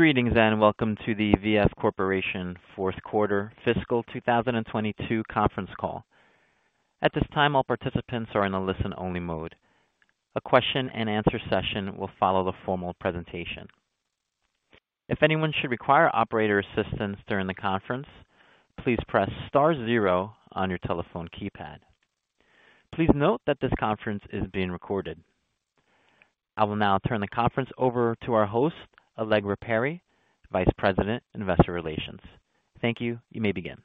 Greetings, and welcome to the VF Corporation fourth quarter fiscal 2022 conference call. At this time, all participants are in a listen-only mode. A question and answer session will follow the formal presentation. If anyone should require operator assistance during the conference, please press star zero on your telephone keypad. Please note that this conference is being recorded. I will now turn the conference over to our host, Allegra Perry, Vice President, Investor Relations. Thank you. You may begin.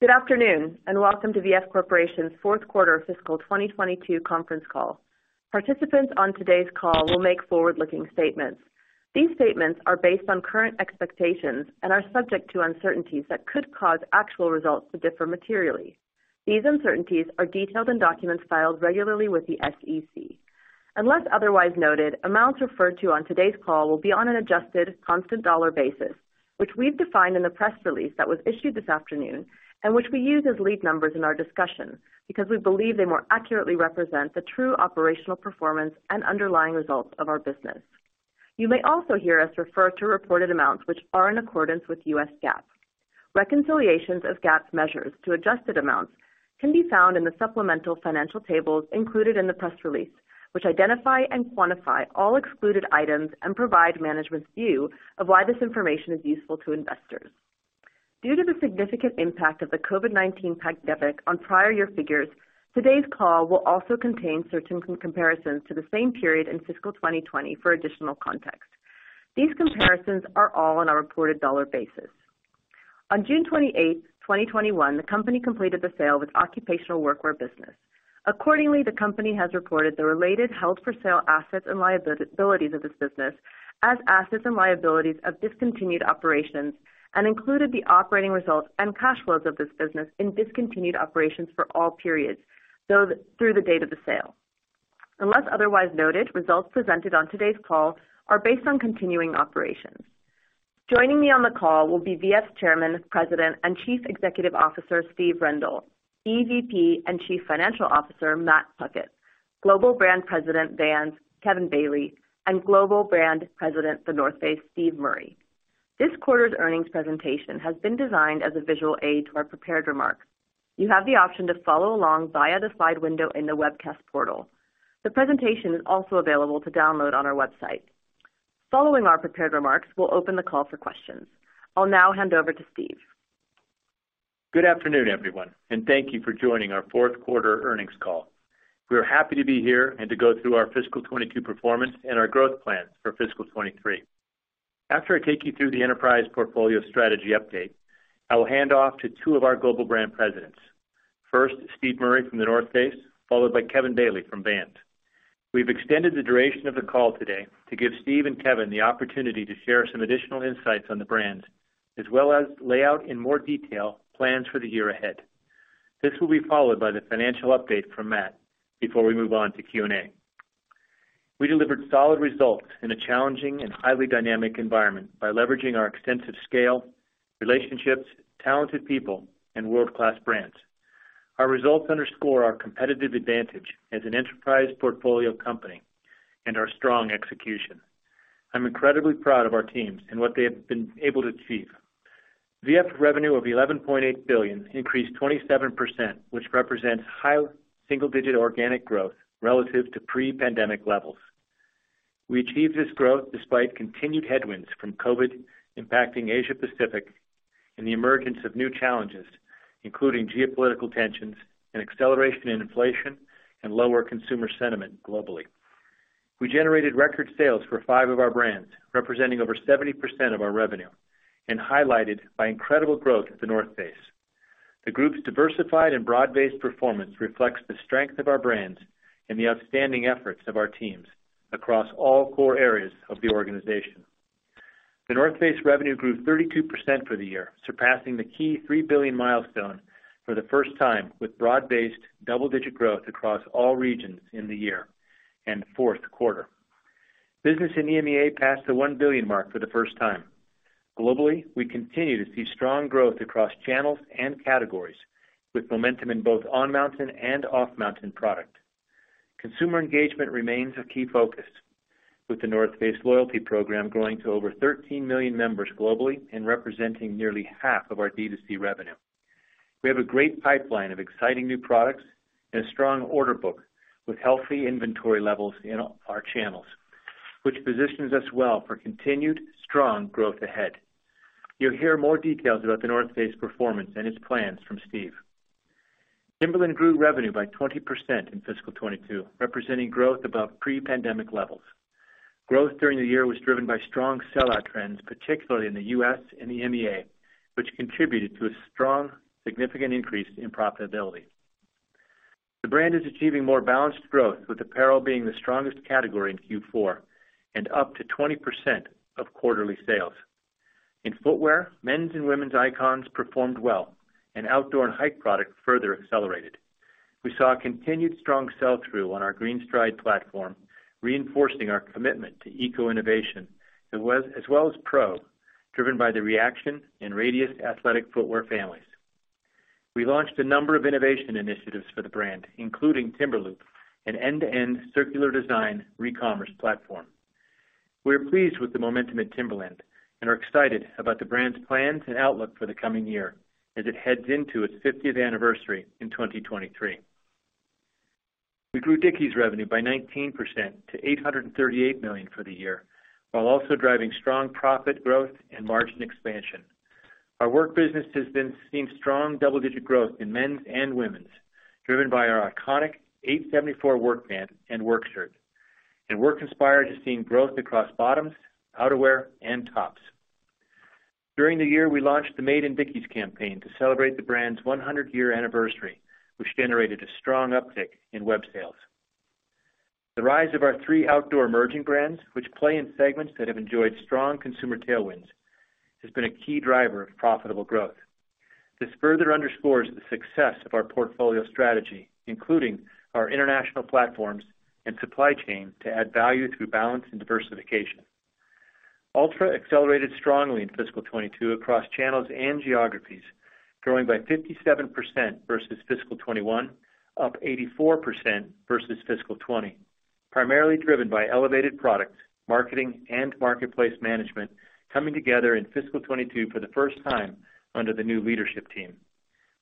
Good afternoon, and welcome to V.F. Corporation's fourth quarter fiscal 2022 conference call. Participants on today's call will make forward-looking statements. These statements are based on current expectations and are subject to uncertainties that could cause actual results to differ materially. These uncertainties are detailed in documents filed regularly with the SEC. Unless otherwise noted, amounts referred to on today's call will be on an adjusted constant dollar basis, which we've defined in the press release that was issued this afternoon and which we use as lead numbers in our discussion because we believe they more accurately represent the true operational performance and underlying results of our business. You may also hear us refer to reported amounts which are in accordance with U.S. GAAP. Reconciliations of GAAP measures to adjusted amounts can be found in the supplemental financial tables included in the press release, which identify and quantify all excluded items and provide management's view of why this information is useful to investors. Due to the significant impact of the COVID-19 pandemic on prior year figures, today's call will also contain certain comparisons to the same period in fiscal 2020 for additional context. These comparisons are all on a reported dollar basis. On June 28, 2021, the company completed the sale of its occupational workwear business. Accordingly, the company has reported the related held-for-sale assets and liabilities of this business as assets and liabilities of discontinued operations and included the operating results and cash flows of this business in discontinued operations for all periods through the date of the sale. Unless otherwise noted, results presented on today's call are based on continuing operations. Joining me on the call will be V.F.'s Chairman, President, and Chief Executive Officer, Steve Rendle, EVP and Chief Financial Officer, Matt Puckett, Global Brand President, Vans, Kevin Bailey, and Global Brand President, The North Face, Steve Murray. This quarter's earnings presentation has been designed as a visual aid to our prepared remarks. You have the option to follow along via the slide window in the webcast portal. The presentation is also available to download on our website. Following our prepared remarks, we'll open the call for questions. I'll now hand over to Steve. Good afternoon, everyone, and thank you for joining our fourth quarter earnings call. We are happy to be here and to go through our fiscal 2022 performance and our growth plans for fiscal 2023. After I take you through the enterprise portfolio strategy update, I will hand off to two of our global brand presidents. First, Steve Murray from The North Face, followed by Kevin Bailey from Vans. We've extended the duration of the call today to give Steve and Kevin the opportunity to share some additional insights on the brands, as well as lay out in more detail plans for the year ahead. This will be followed by the financial update from Matt before we move on to Q&A. We delivered solid results in a challenging and highly dynamic environment by leveraging our extensive scale, relationships, talented people, and world-class brands. Our results underscore our competitive advantage as an enterprise portfolio company and our strong execution. I'm incredibly proud of our teams and what they have been able to achieve. V.F. revenue of $11.8 billion increased 27%, which represents high single-digit organic growth relative to pre-pandemic levels. We achieved this growth despite continued headwinds from COVID-19 impacting Asia Pacific and the emergence of new challenges, including geopolitical tensions, an acceleration in inflation, and lower consumer sentiment globally. We generated record sales for 5 of our brands, representing over 70% of our revenue, and highlighted by incredible growth at The North Face. The group's diversified and broad-based performance reflects the strength of our brands and the outstanding efforts of our teams across all core areas of the organization. The North Face revenue grew 32% for the year, surpassing the key $3 billion milestone for the first time with broad-based double-digit growth across all regions in the year and fourth quarter. Business in EMEA passed the $1 billion mark for the first time. Globally, we continue to see strong growth across channels and categories, with momentum in both on-mountain and off-mountain product. Consumer engagement remains a key focus, with The North Face loyalty program growing to over 13 million members globally and representing nearly half of our D2C revenue. We have a great pipeline of exciting new products and a strong order book with healthy inventory levels in our channels, which positions us well for continued strong growth ahead. You'll hear more details about The North Face performance and its plans from Steve. Timberland grew revenue by 20% in fiscal 2022, representing growth above pre-pandemic levels. Growth during the year was driven by strong sellout trends, particularly in the U.S. and EMEA, which contributed to a strong, significant increase in profitability. The brand is achieving more balanced growth, with apparel being the strongest category in Q4 and up to 20% of quarterly sales. In footwear, men's and women's icons performed well and outdoor and hike product further accelerated. We saw a continued strong sell-through on our GreenStride™ platform, reinforcing our commitment to eco-innovation, as well as PRO, driven by the Reaxion and Radius athletic footwear families. We launched a number of innovation initiatives for the brand, including Timberloop, an end-to-end circular design re-commerce platform. We are pleased with the momentum at Timberland and are excited about the brand's plans and outlook for the coming year as it heads into its 50th anniversary in 2023. We grew Dickies revenue by 19% to $838 million for the year, while also driving strong profit growth and margin expansion. Our work business has been seeing strong double-digit growth in men's and women's, driven by our iconic 874 work pant and work shirt. Work Inspired is seeing growth across bottoms, outerwear, and tops. During the year, we launched the Made in Dickies campaign to celebrate the brand's 100-year anniversary, which generated a strong uptick in web sales. The rise of our three outdoor emerging brands, which play in segments that have enjoyed strong consumer tailwinds, has been a key driver of profitable growth. This further underscores the success of our portfolio strategy, including our international platforms and supply chain to add value through balance and diversification. Altra accelerated strongly in fiscal 2022 across channels and geographies, growing by 57% versus fiscal 2021, up 84% versus fiscal 2020, primarily driven by elevated products, marketing, and marketplace management coming together in fiscal 2022 for the first time under the new leadership team.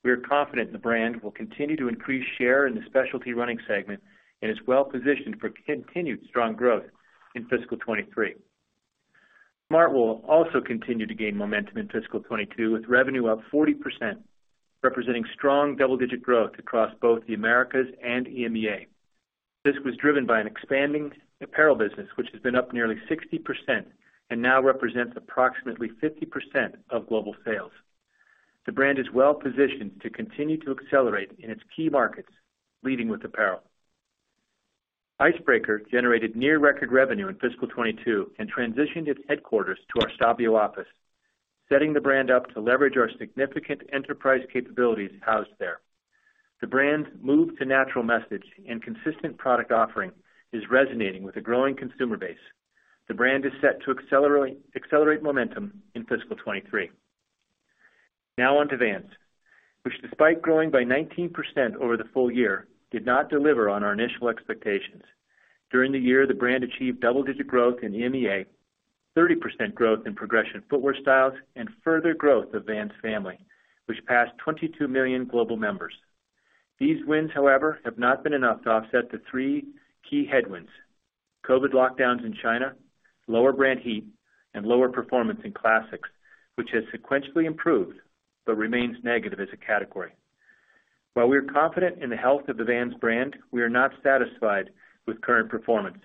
We are confident the brand will continue to increase share in the specialty running segment and is well-positioned for continued strong growth in fiscal 2023. Smartwool also continued to gain momentum in fiscal 2022, with revenue up 40%, representing strong double-digit growth across both the Americas and EMEA. This was driven by an expanding apparel business, which has been up nearly 60% and now represents approximately 50% of global sales. The brand is well-positioned to continue to accelerate in its key markets, leading with apparel. Icebreaker generated near record revenue in fiscal 2022 and transitioned its headquarters to our Stabio office, setting the brand up to leverage our significant enterprise capabilities housed there. The brand's move to natural message and consistent product offering is resonating with a growing consumer base. The brand is set to accelerate momentum in fiscal 2023. Now on to Vans, which despite growing by 19% over the full year, did not deliver on our initial expectations. During the year, the brand achieved double-digit growth in EMEA, 30% growth in progression footwear styles, and further growth of Vans Family, which passed 22 million global members. These wins, however, have not been enough to offset the three key headwinds: COVID lockdowns in China, lower brand heat, and lower performance in classics, which has sequentially improved but remains negative as a category. While we are confident in the health of the Vans brand, we are not satisfied with current performance.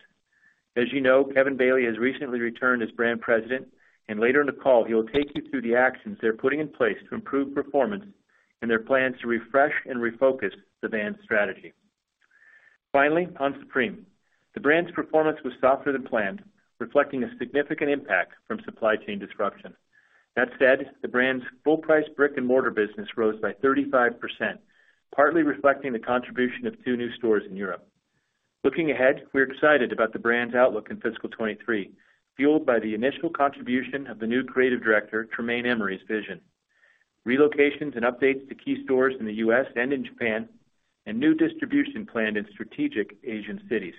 As you know, Kevin Bailey has recently returned as brand president, and later in the call, he will take you through the actions they're putting in place to improve performance and their plans to refresh and refocus the Vans strategy. Finally, on Supreme. The brand's performance was softer than planned, reflecting a significant impact from supply chain disruption. That said, the brand's full-price brick-and-mortar business rose by 35%, partly reflecting the contribution of two new stores in Europe. Looking ahead, we're excited about the brand's outlook in fiscal 2023, fueled by the initial contribution of the new creative director, Tremaine Emory's vision, relocations and updates to key stores in the U.S. and in Japan, and new distribution planned in strategic Asian cities.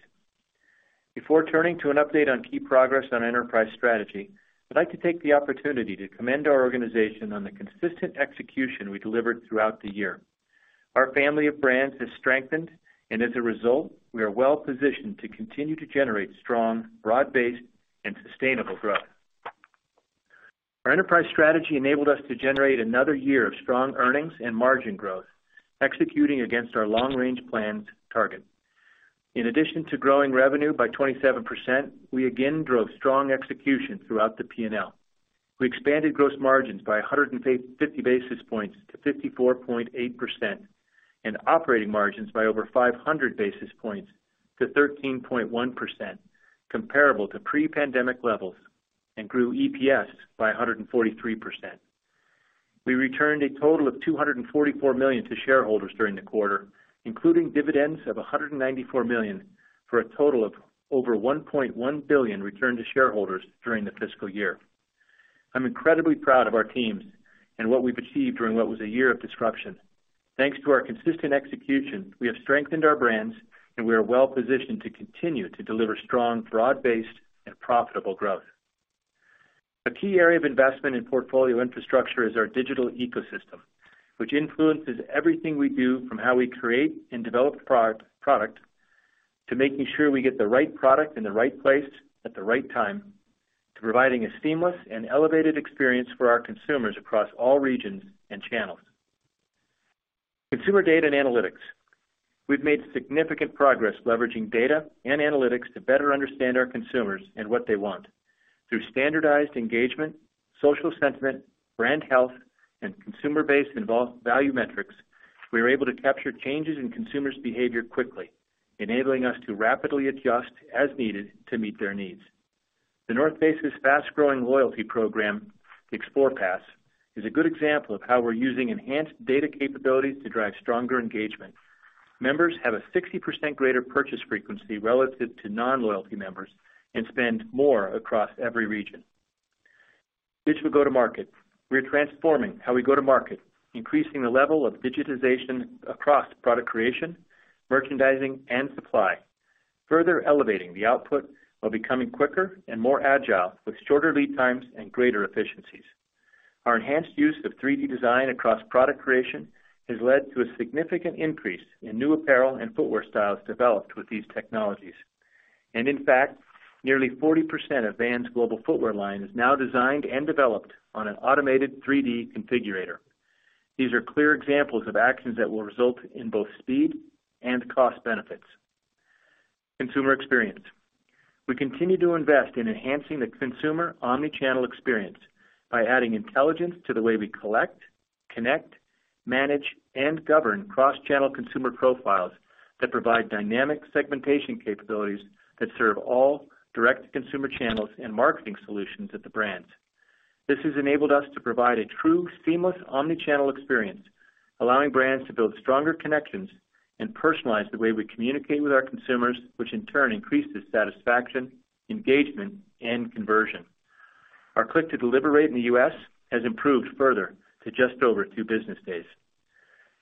Before turning to an update on key progress on our enterprise strategy, I'd like to take the opportunity to commend our organization on the consistent execution we delivered throughout the year. Our family of brands has strengthened, and as a result, we are well-positioned to continue to generate strong, broad-based, and sustainable growth. Our enterprise strategy enabled us to generate another year of strong earnings and margin growth, executing against our long-range plans target. In addition to growing revenue by 27%, we again drove strong execution throughout the P&L. We expanded gross margins by 150 basis points to 54.8% and operating margins by over 500 basis points to 13.1%, comparable to pre-pandemic levels, and grew EPS by 143%. We returned a total of $244 million to shareholders during the quarter, including dividends of $194 million, for a total of over $1.1 billion returned to shareholders during the fiscal year. I'm incredibly proud of our teams and what we've achieved during what was a year of disruption. Thanks to our consistent execution, we have strengthened our brands, and we are well-positioned to continue to deliver strong, broad-based, and profitable growth. A key area of investment in portfolio infrastructure is our digital ecosystem, which influences everything we do from how we create and develop product, to making sure we get the right product in the right place at the right time, to providing a seamless and elevated experience for our consumers across all regions and channels. Consumer data and analytics. We've made significant progress leveraging data and analytics to better understand our consumers and what they want. Through standardized engagement, social sentiment, brand health, and consumer-based value metrics, we are able to capture changes in consumers' behavior quickly, enabling us to rapidly adjust as needed to meet their needs. The North Face's fast-growing loyalty program, the XPLR Pass, is a good example of how we're using enhanced data capabilities to drive stronger engagement. Members have a 60% greater purchase frequency relative to non-loyalty members and spend more across every region. Digital go-to-market. We are transforming how we go to market, increasing the level of digitization across product creation, merchandising, and supply, further elevating the output while becoming quicker and more agile, with shorter lead times and greater efficiencies. Our enhanced use of 3D design across product creation has led to a significant increase in new apparel and footwear styles developed with these technologies. In fact, nearly 40% of Vans' global footwear line is now designed and developed on an automated 3D configurator. These are clear examples of actions that will result in both speed and cost benefits. Consumer experience. We continue to invest in enhancing the consumer omni-channel experience by adding intelligence to the way we collect, connect, manage, and govern cross-channel consumer profiles that provide dynamic segmentation capabilities that serve all direct consumer channels and marketing solutions at the brands. This has enabled us to provide a true seamless omni-channel experience, allowing brands to build stronger connections and personalize the way we communicate with our consumers, which in turn increases satisfaction, engagement, and conversion. Our click-to-deliver rate in the US has improved further to just over two business days.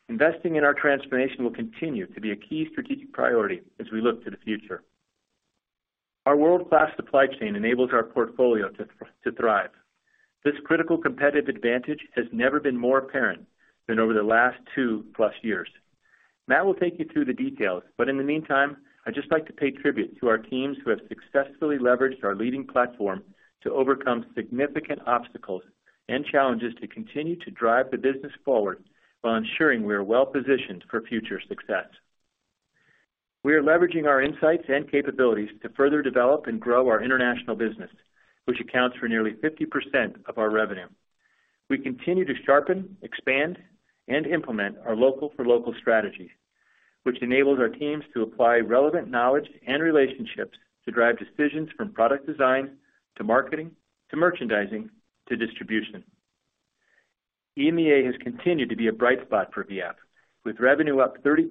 Investing in our transformation will continue to be a key strategic priority as we look to the future. Our world-class supply chain enables our portfolio to thrive. This critical competitive advantage has never been more apparent than over the last 2+ years. Matt will take you through the details, but in the meantime, I'd just like to pay tribute to our teams who have successfully leveraged our leading platform to overcome significant obstacles and challenges to continue to drive the business forward while ensuring we are well-positioned for future success. We are leveraging our insights and capabilities to further develop and grow our international business, which accounts for nearly 50% of our revenue. We continue to sharpen, expand, and implement our local for local strategy, which enables our teams to apply relevant knowledge and relationships to drive decisions from product design, to marketing, to merchandising, to distribution. EMEA has continued to be a bright spot for VF, with revenue up 30%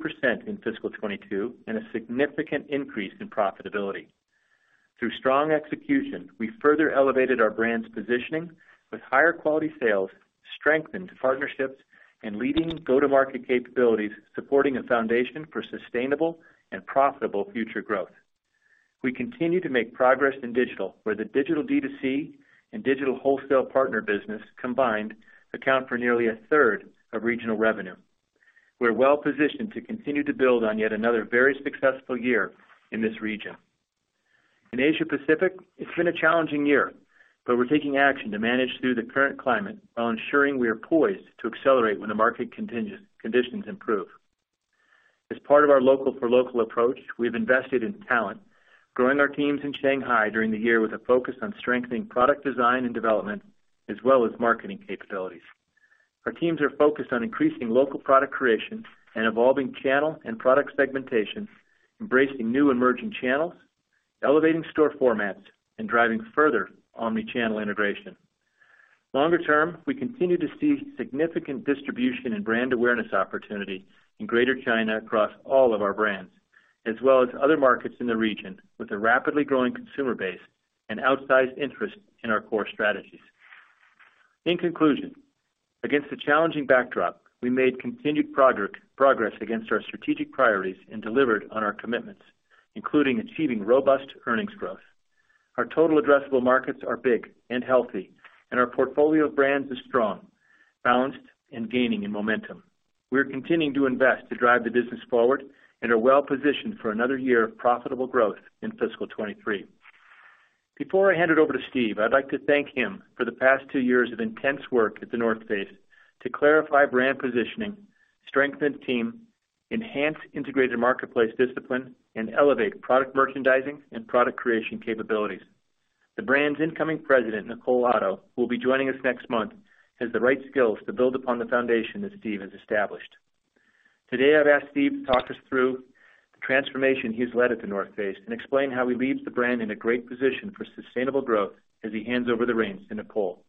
in fiscal 2022 and a significant increase in profitability. Through strong execution, we further elevated our brand's positioning with higher quality sales, strengthened partnerships, and leading go-to-market capabilities, supporting a foundation for sustainable and profitable future growth. We continue to make progress in digital, where the digital D2C and digital wholesale partner business combined account for nearly a third of regional revenue. We're well-positioned to continue to build on yet another very successful year in this region. In Asia Pacific, it's been a challenging year, but we're taking action to manage through the current climate while ensuring we are poised to accelerate when the market conditions improve. As part of our local for local approach, we have invested in talent, growing our teams in Shanghai during the year with a focus on strengthening product design and development, as well as marketing capabilities. Our teams are focused on increasing local product creation and evolving channel and product segmentation, embracing new emerging channels, elevating store formats, and driving further omni-channel integration. Longer term, we continue to see significant distribution and brand awareness opportunity in Greater China across all of our brands, as well as other markets in the region with a rapidly growing consumer base and outsized interest in our core strategies. In conclusion, against a challenging backdrop, we made continued progress against our strategic priorities and delivered on our commitments, including achieving robust earnings growth. Our total addressable markets are big and healthy, and our portfolio of brands is strong, balanced, and gaining in momentum. We're continuing to invest to drive the business forward and are well-positioned for another year of profitable growth in fiscal 2023. Before I hand it over to Steve, I'd like to thank him for the past two years of intense work at The North Face to clarify brand positioning, strengthen team, enhance integrated marketplace discipline, and elevate product merchandising and product creation capabilities. The brand's incoming president, Nicole Otto, who will be joining us next month, has the right skills to build upon the foundation that Steve has established. Today, I've asked Steve to talk us through the transformation he's led at The North Face and explain how he leaves the brand in a great position for sustainable growth as he hands over the reins to Nicole.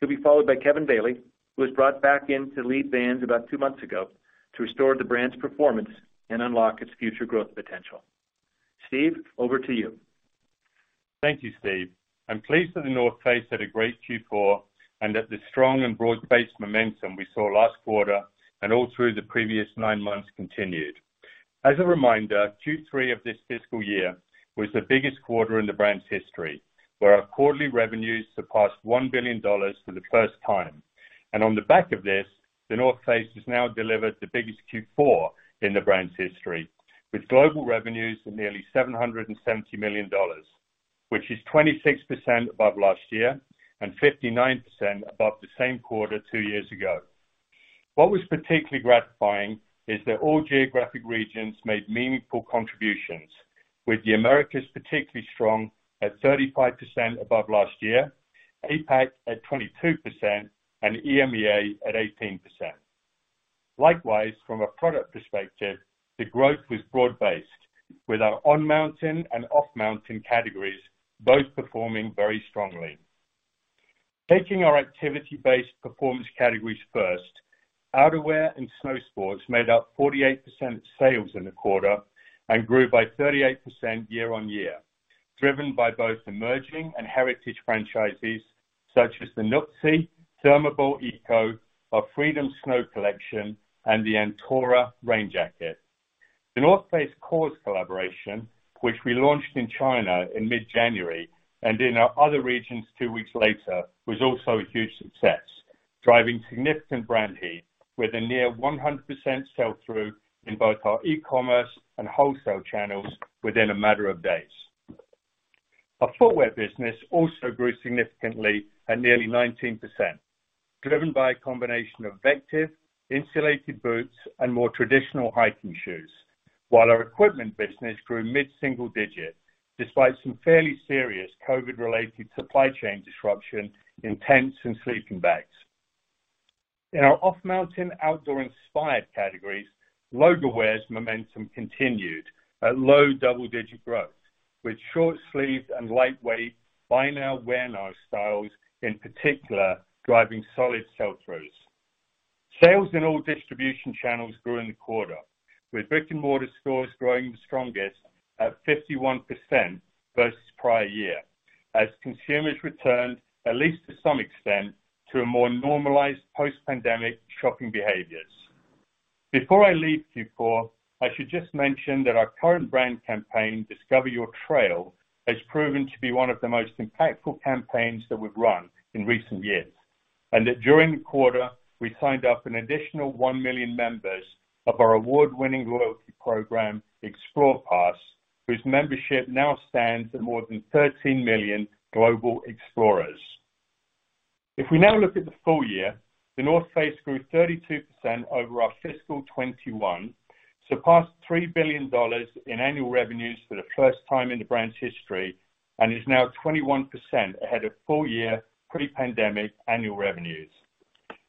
He'll be followed by Kevin Bailey, who was brought back in to lead Vans about two months ago to restore the brand's performance and unlock its future growth potential. Steve, over to you. Thank you, Steve. I'm pleased that The North Face had a great Q4 and that the strong and broad-based momentum we saw last quarter and all through the previous nine months continued. As a reminder, Q3 of this fiscal year was the biggest quarter in the brand's history, where our quarterly revenues surpassed $1 billion for the first time. On the back of this, The North Face has now delivered the biggest Q4 in the brand's history, with global revenues of nearly $770 million, which is 26% above last year and 59% above the same quarter two years ago. What was particularly gratifying is that all geographic regions made meaningful contributions, with the Americas particularly strong at 35% above last year, APAC at 22%, and EMEA at 18%. Likewise, from a product perspective, the growth was broad-based, with our on-mountain and off-mountain categories both performing very strongly. Taking our activity-based performance categories first. Outerwear and snow sports made up 48% of sales in the quarter and grew by 38% year-on-year, driven by both emerging and heritage franchises such as the Nuptse, ThermoBall Eco, our Freedom Snow collection, and the Antora rain jacket. The North Face KAWS collaboration, which we launched in China in mid-January and in our other regions two weeks later, was also a huge success, driving significant brand heat with a near 100% sell-through in both our e-commerce and wholesale channels within a matter of days. Our footwear business also grew significantly at nearly 19%, driven by a combination of VECTIV insulated boots and more traditional hiking shoes. While our equipment business grew mid-single-digit despite some fairly serious COVID-related supply chain disruption in tents and sleeping bags. In our off-mountain outdoor-inspired categories, logo wear momentum continued at low double-digit growth, with short-sleeved and lightweight buy-now wear-now styles, in particular, driving solid sell-throughs. Sales in all distribution channels grew in the quarter, with brick-and-mortar stores growing the strongest at 51% versus prior year, as consumers returned at least to some extent to a more normalized post-pandemic shopping behaviors. Before I leave Q4, I should just mention that our current brand campaign, Discover Your Trail, has proven to be one of the most impactful campaigns that we've run in recent years, and that during the quarter, we signed up an additional 1 million members of our award-winning loyalty program, XPLR Pass, whose membership now stands at more than 13 million global explorers. If we now look at the full year, The North Face grew 32% over our fiscal 2021, surpassed $3 billion in annual revenues for the first time in the brand's history, and is now 21% ahead of full-year pre-pandemic annual revenues.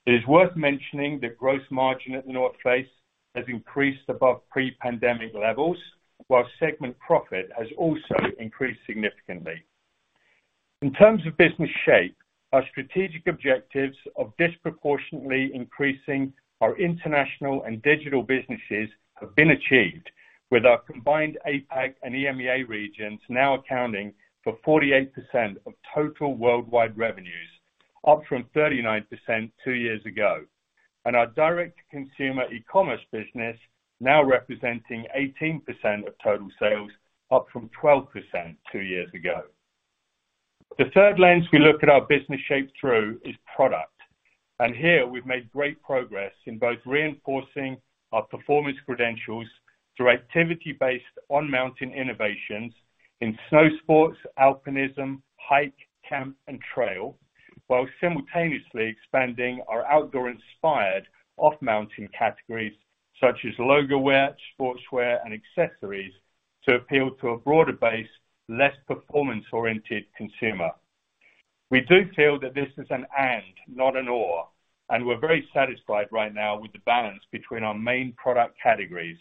It is worth mentioning that gross margin at The North Face has increased above pre-pandemic levels, while segment profit has also increased significantly. In terms of business shape, our strategic objectives of disproportionately increasing our international and digital businesses have been achieved with our combined APAC and EMEA regions now accounting for 48% of total worldwide revenues, up from 39% two years ago. Our direct-to-consumer e-commerce business now representing 18% of total sales, up from 12% two years ago. The third lens we look at our business shape through is product. Here we've made great progress in both reinforcing our performance credentials through activity-based on-mountain innovations in snow sports, alpinism, hike, camp, and trail, while simultaneously expanding our outdoor inspired off-mountain categories such as Logowear, sportswear, and accessories to appeal to a broader base, less performance-oriented consumer. We do feel that this is an and, not an or, and we're very satisfied right now with the balance between our main product categories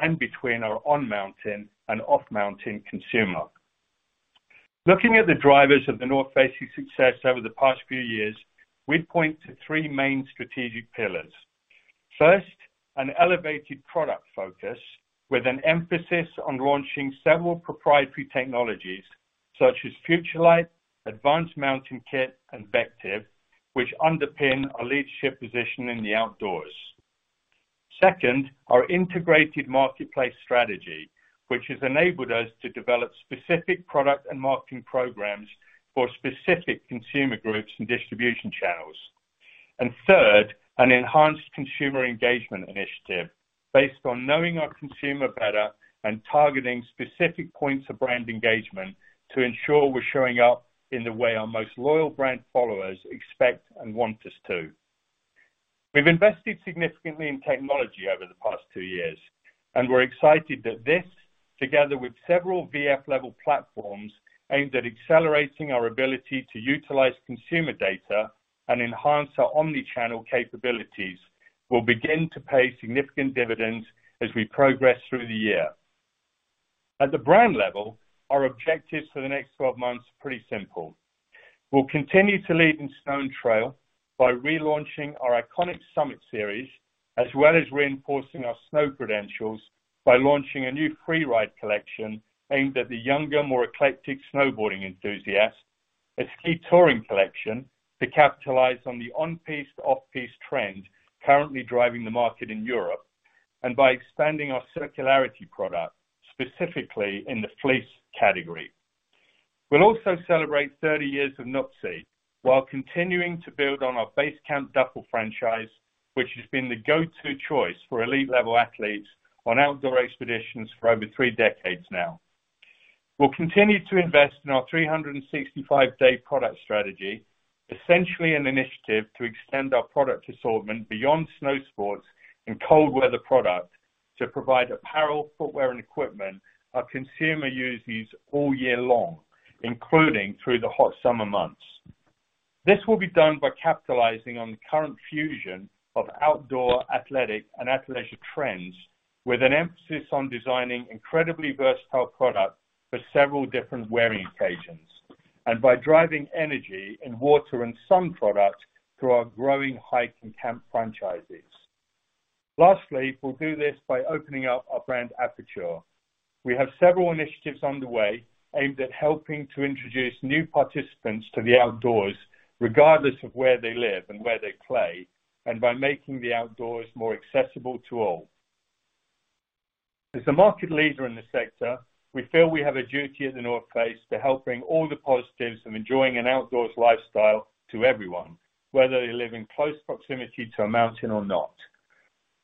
and between our on-mountain and off-mountain consumer. Looking at the drivers of The North Face's success over the past few years, we'd point to three main strategic pillars. First, an elevated product focus with an emphasis on launching several proprietary technologies such as FUTURELIGHT, Advanced Mountain Kit and VECTIV, which underpin our leadership position in the outdoors. Second, our integrated marketplace strategy, which has enabled us to develop specific product and marketing programs for specific consumer groups and distribution channels. Third, an enhanced consumer engagement initiative based on knowing our consumer better and targeting specific points of brand engagement to ensure we're showing up in the way our most loyal brand followers expect and want us to. We've invested significantly in technology over the past two years, and we're excited that this, together with several VF-level platforms aimed at accelerating our ability to utilize consumer data and enhance our omni-channel capabilities, will begin to pay significant dividends as we progress through the year. At the brand level, our objectives for the next twelve months are pretty simple. We'll continue to lead in snow and trail by relaunching our iconic Summit Series, as well as reinforcing our snow credentials by launching a new Freeride collection aimed at the younger, more eclectic snowboarding enthusiasts, a ski touring collection to capitalize on the on-piste, off-piste trend currently driving the market in Europe, and by expanding our circularity product, specifically in the fleece category. We'll also celebrate 30 years of Nuptse while continuing to build on our Base Camp duffel franchise, which has been the go-to choice for elite-level athletes on outdoor expeditions for over 3 decades now. We'll continue to invest in our 365-day product strategy, essentially an initiative to extend our product assortment beyond snow sports and cold weather product to provide apparel, footwear, and equipment our consumer uses all year long, including through the hot summer months. This will be done by capitalizing on the current fusion of outdoor, athletic, and athleisure trends with an emphasis on designing incredibly versatile product for several different wearing occasions. By driving energy and water and sun products through our growing hike and camp franchises. Lastly, we'll do this by opening up our brand aperture. We have several initiatives underway aimed at helping to introduce new participants to the outdoors, regardless of where they live and where they play, and by making the outdoors more accessible to all. As a market leader in this sector, we feel we have a duty at The North Face to help bring all the positives of enjoying an outdoors lifestyle to everyone, whether they live in close proximity to a mountain or not.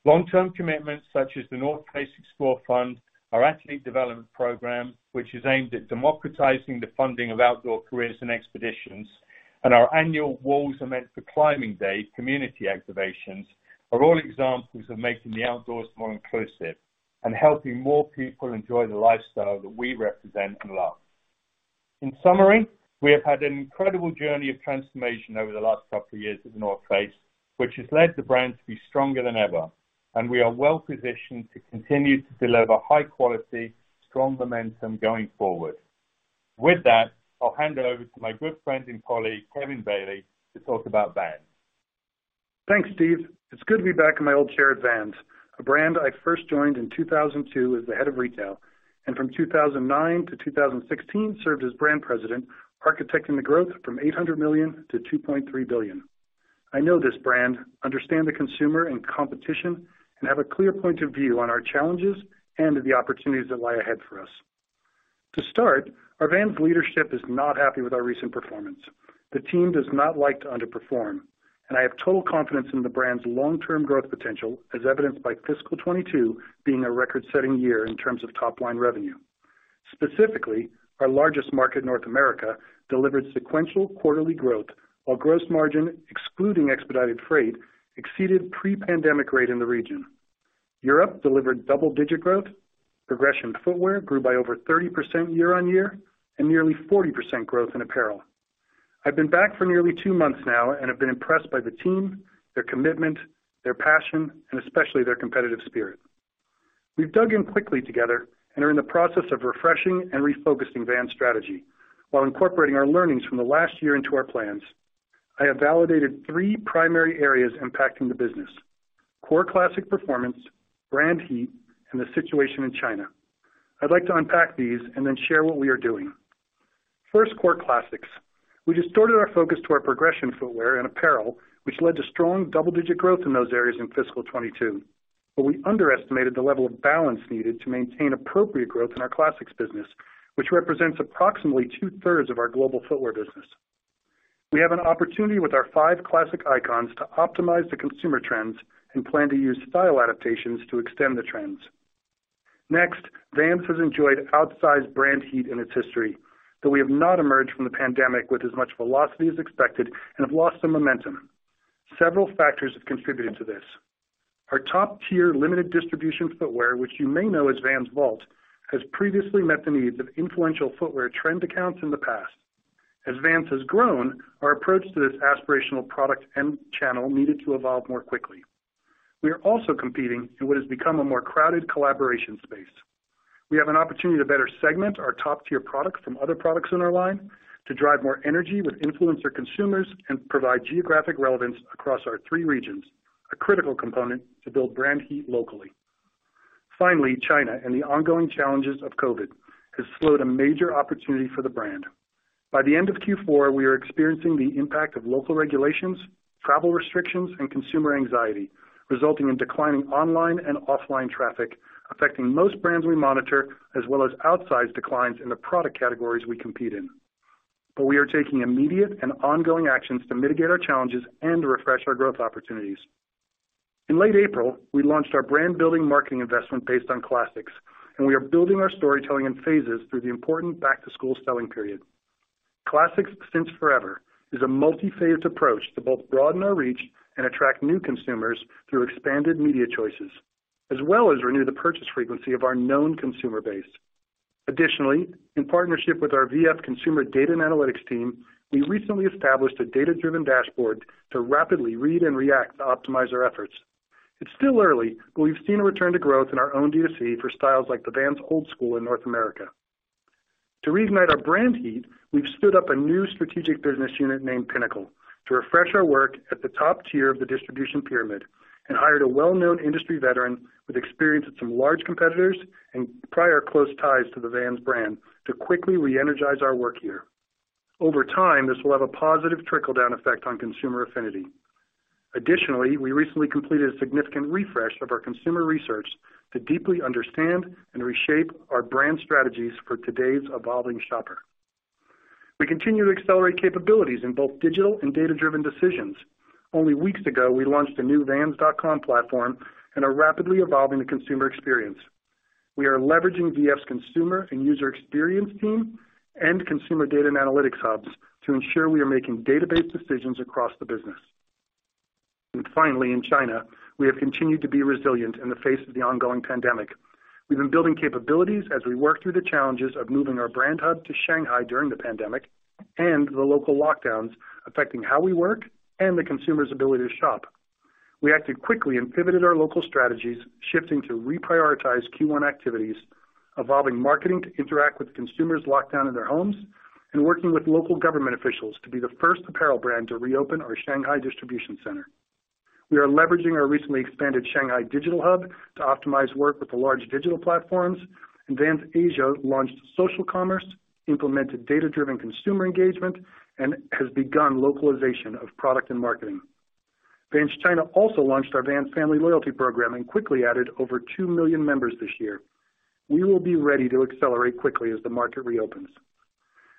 Long-term commitments such as The North Face Explore Fund, our athlete development program, which is aimed at democratizing the funding of outdoor careers and expeditions, and our annual Walls Are Meant for Climbing day community activations are all examples of making the outdoors more inclusive and helping more people enjoy the lifestyle that we represent and love. In summary, we have had an incredible journey of transformation over the last couple of years at The North Face, which has led the brand to be stronger than ever, and we are well-positioned to continue to deliver high quality, strong momentum going forward. With that, I'll hand it over to my good friend and colleague, Kevin Bailey, to talk about Vans. Thanks, Steve. It's good to be back in my old chair at Vans, a brand I first joined in 2002 as the head of retail, and from 2009 to 2016 served as brand president, architecting the growth from $800 million to $2.3 billion. I know this brand, understand the consumer and competition, and have a clear point of view on our challenges and the opportunities that lie ahead for us. To start, our Vans leadership is not happy with our recent performance. The team does not like to underperform, and I have total confidence in the brand's long-term growth potential, as evidenced by fiscal 2022 being a record-setting year in terms of top-line revenue. Specifically, our largest market, North America, delivered sequential quarterly growth, while gross margin, excluding expedited freight, exceeded pre-pandemic rate in the region. Europe delivered double-digit growth. Progression footwear grew by over 30% year-on-year, and nearly 40% growth in apparel. I've been back for nearly two months now and have been impressed by the team, their commitment, their passion, and especially their competitive spirit. We've dug in quickly together and are in the process of refreshing and refocusing Vans' strategy while incorporating our learnings from the last year into our plans. I have validated three primary areas impacting the business: core classic performance, brand heat, and the situation in China. I'd like to unpack these and then share what we are doing. First, core classics. We diverted our focus to our progression footwear and apparel, which led to strong double-digit growth in those areas in fiscal 2022. We underestimated the level of balance needed to maintain appropriate growth in our classics business, which represents approximately 2/3 of our global footwear business. We have an opportunity with our five classic icons to optimize the consumer trends and plan to use style adaptations to extend the trends. Next, Vans has enjoyed outsized brand heat in its history, though we have not emerged from the pandemic with as much velocity as expected and have lost some momentum. Several factors have contributed to this. Our top-tier limited distribution footwear, which you may know as Vans Vault, has previously met the needs of influential footwear trend accounts in the past. As Vans has grown, our approach to this aspirational product and channel needed to evolve more quickly. We are also competing in what has become a more crowded collaboration space. We have an opportunity to better segment our top-tier products from other products in our line to drive more energy with influencer consumers and provide geographic relevance across our three regions, a critical component to build brand heat locally. Finally, China and the ongoing challenges of COVID has slowed a major opportunity for the brand. By the end of Q4, we are experiencing the impact of local regulations, travel restrictions, and consumer anxiety, resulting in declining online and offline traffic, affecting most brands we monitor, as well as outsized declines in the product categories we compete in. We are taking immediate and ongoing actions to mitigate our challenges and to refresh our growth opportunities. In late April, we launched our brand-building marketing investment based on classics, and we are building our storytelling in phases through the important back-to-school selling period. Classics Since Forever is a multi-phased approach to both broaden our reach and attract new consumers through expanded media choices, as well as renew the purchase frequency of our known consumer base. Additionally, in partnership with our VF consumer data and analytics team, we recently established a data-driven dashboard to rapidly read and react to optimize our efforts. It's still early, but we've seen a return to growth in our own DTC for styles like the Vans Old Skool in North America. To reignite our brand heat, we've stood up a new strategic business unit named Pinnacle to refresh our work at the top tier of the distribution pyramid and hired a well-known industry veteran with experience at some large competitors and prior close ties to the Vans brand to quickly re-energize our work here. Over time, this will have a positive trickle-down effect on consumer affinity. Additionally, we recently completed a significant refresh of our consumer research to deeply understand and reshape our brand strategies for today's evolving shopper. We continue to accelerate capabilities in both digital and data-driven decisions. Only weeks ago, we launched a new Vans.com platform and are rapidly evolving the consumer experience. We are leveraging VF's consumer and user experience team and consumer data and analytics hubs to ensure we are making data-based decisions across the business. Finally, in China, we have continued to be resilient in the face of the ongoing pandemic. We've been building capabilities as we work through the challenges of moving our brand hub to Shanghai during the pandemic and the local lockdowns affecting how we work and the consumer's ability to shop. We acted quickly and pivoted our local strategies, shifting to reprioritize Q1 activities, evolving marketing to interact with consumers locked down in their homes, and working with local government officials to be the first apparel brand to reopen our Shanghai distribution center. We are leveraging our recently expanded Shanghai digital hub to optimize work with the large digital platforms. Vans Asia launched social commerce, implemented data-driven consumer engagement, and has begun localization of product and marketing. Vans China also launched our Vans Family loyalty program and quickly added over 2 million members this year. We will be ready to accelerate quickly as the market reopens.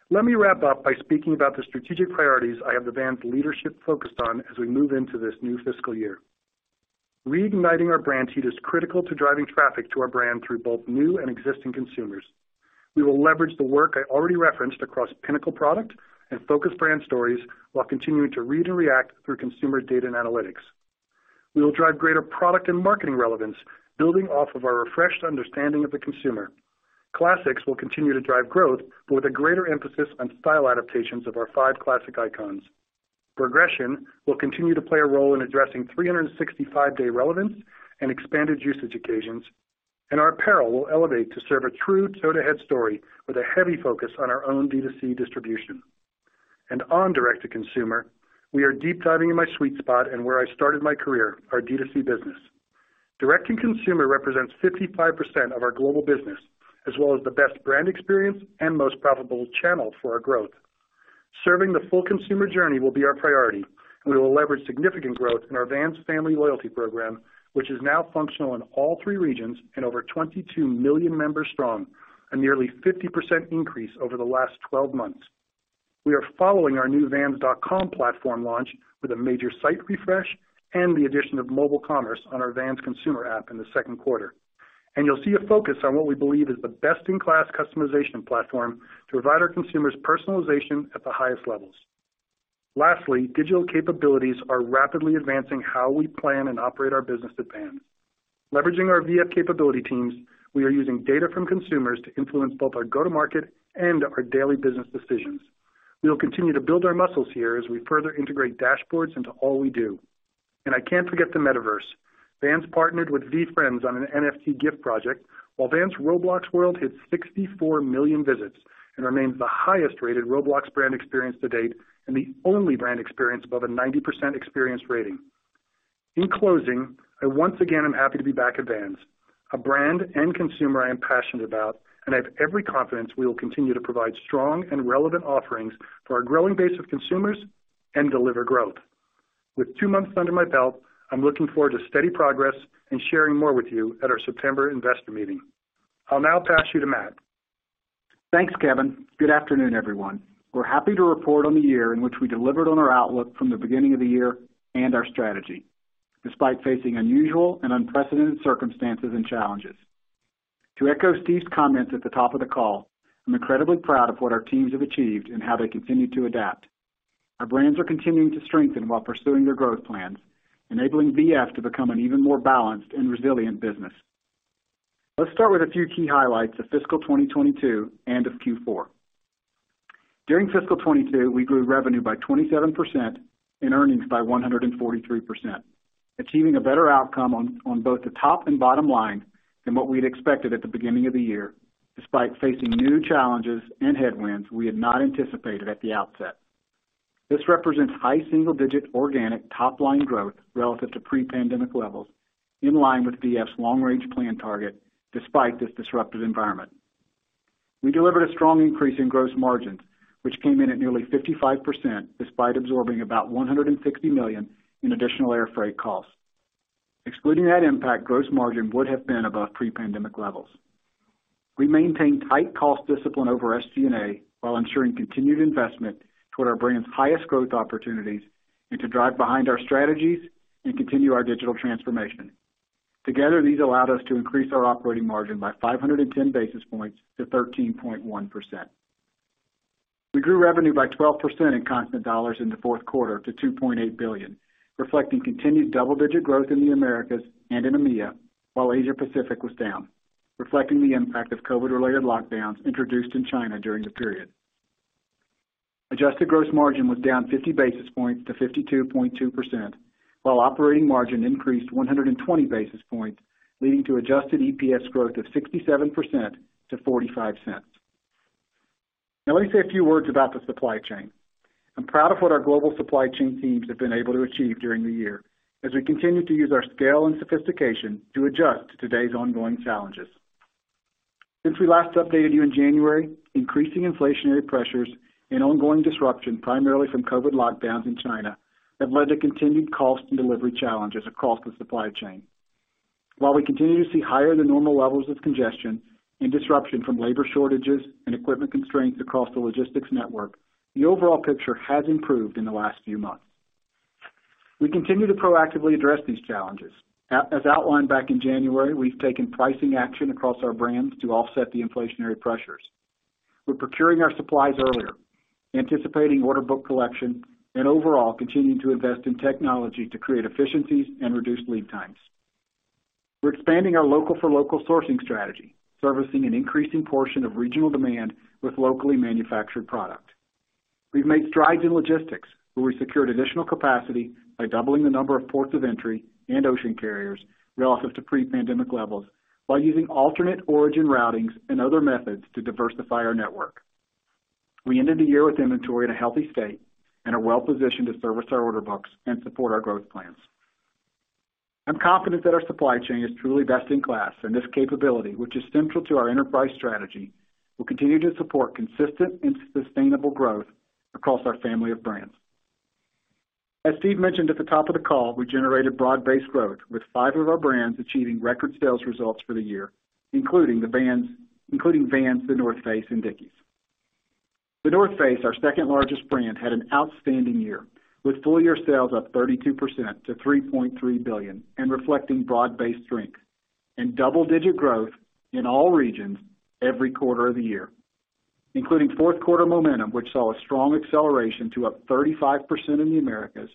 Let me wrap up by speaking about the strategic priorities I have the Vans leadership focused on as we move into this new fiscal year. Reigniting our brand heat is critical to driving traffic to our brand through both new and existing consumers. We will leverage the work I already referenced across Pinnacle product and focus brand stories, while continuing to read and react through consumer data and analytics. We will drive greater product and marketing relevance, building off of our refreshed understanding of the consumer. Classics will continue to drive growth, but with a greater emphasis on style adaptations of our five classic icons. Progression will continue to play a role in addressing 365-day relevance and expanded usage occasions, and our apparel will elevate to serve a true toe-to-head story with a heavy focus on our own D2C distribution. On direct-to-consumer, we are deep diving in my sweet spot and where I started my career, our D2C business. Direct-to-consumer represents 55% of our global business, as well as the best brand experience and most profitable channel for our growth. Serving the full consumer journey will be our priority, and we will leverage significant growth in our Vans Family loyalty program, which is now functional in all three regions and over 22 million members strong, a nearly 50% increase over the last 12 months. We are following our new vans.com platform launch with a major site refresh and the addition of mobile commerce on our Vans consumer app in the second quarter. You'll see a focus on what we believe is the best-in-class customization platform to provide our consumers personalization at the highest levels. Lastly, digital capabilities are rapidly advancing how we plan and operate our business at Vans. Leveraging our VF capability teams, we are using data from consumers to influence both our go-to-market and our daily business decisions. We will continue to build our muscles here as we further integrate dashboards into all we do. I can't forget the Metaverse. Vans partnered with VeeFriends on an NFT gift project, while Vans Roblox World hits 64 million visits and remains the highest-rated Roblox brand experience to date and the only brand experience above a 90% experience rating. In closing, I once again am happy to be back at Vans, a brand and consumer I am passionate about, and I have every confidence we will continue to provide strong and relevant offerings for our growing base of consumers and deliver growth. With two months under my belt, I'm looking forward to steady progress and sharing more with you at our September investor meeting. I'll now pass you to Matt. Thanks, Kevin. Good afternoon, everyone. We're happy to report on the year in which we delivered on our outlook from the beginning of the year and our strategy, despite facing unusual and unprecedented circumstances and challenges. To echo Steve's comments at the top of the call, I'm incredibly proud of what our teams have achieved and how they continue to adapt. Our brands are continuing to strengthen while pursuing their growth plans, enabling VF to become an even more balanced and resilient business. Let's start with a few key highlights of fiscal 2022 and of Q4. During fiscal 2022, we grew revenue by 27% and earnings by 143%, achieving a better outcome on both the top and bottom line than what we'd expected at the beginning of the year, despite facing new challenges and headwinds we had not anticipated at the outset. This represents high single-digit organic top-line growth relative to pre-pandemic levels, in line with VF's long-range plan target despite this disruptive environment. We delivered a strong increase in gross margins, which came in at nearly 55% despite absorbing about $160 million in additional air freight costs. Excluding that impact, gross margin would have been above pre-pandemic levels. We maintained tight cost discipline over SG&A while ensuring continued investment toward our brand's highest growth opportunities and to drive behind our strategies and continue our digital transformation. Together, these allowed us to increase our operating margin by 510 basis points to 13.1%. We grew revenue by 12% in constant dollars in the fourth quarter to $2.8 billion, reflecting continued double-digit growth in the Americas and in EMEA, while Asia Pacific was down, reflecting the impact of COVID-related lockdowns introduced in China during the period. Adjusted gross margin was down 50 basis points to 52.2%, while operating margin increased 120 basis points, leading to adjusted EPS growth of 67% to $0.45. Now, let me say a few words about the supply chain. I'm proud of what our global supply chain teams have been able to achieve during the year as we continue to use our scale and sophistication to adjust to today's ongoing challenges. Since we last updated you in January, increasing inflationary pressures and ongoing disruption, primarily from COVID lockdowns in China, have led to continued cost and delivery challenges across the supply chain. While we continue to see higher than normal levels of congestion and disruption from labor shortages and equipment constraints across the logistics network, the overall picture has improved in the last few months. We continue to proactively address these challenges. As outlined back in January, we've taken pricing action across our brands to offset the inflationary pressures. We're procuring our supplies earlier, anticipating order book collection, and overall continuing to invest in technology to create efficiencies and reduce lead times. We're expanding our local for local sourcing strategy, servicing an increasing portion of regional demand with locally manufactured product. We've made strides in logistics, where we secured additional capacity by doubling the number of ports of entry and ocean carriers relative to pre-pandemic levels while using alternate origin routings and other methods to diversify our network. We ended the year with inventory in a healthy state and are well-positioned to service our order books and support our growth plans. I'm confident that our supply chain is truly best in class, and this capability, which is central to our enterprise strategy, will continue to support consistent and sustainable growth across our family of brands. As Steve mentioned at the top of the call, we generated broad-based growth, with five of our brands achieving record sales results for the year, including Vans, The North Face, and Dickies. The North Face, our second largest brand, had an outstanding year, with full year sales up 32% to $3.3 billion and reflecting broad-based strength and double-digit growth in all regions every quarter of the year, including fourth quarter momentum, which saw a strong acceleration to up 35% in the Americas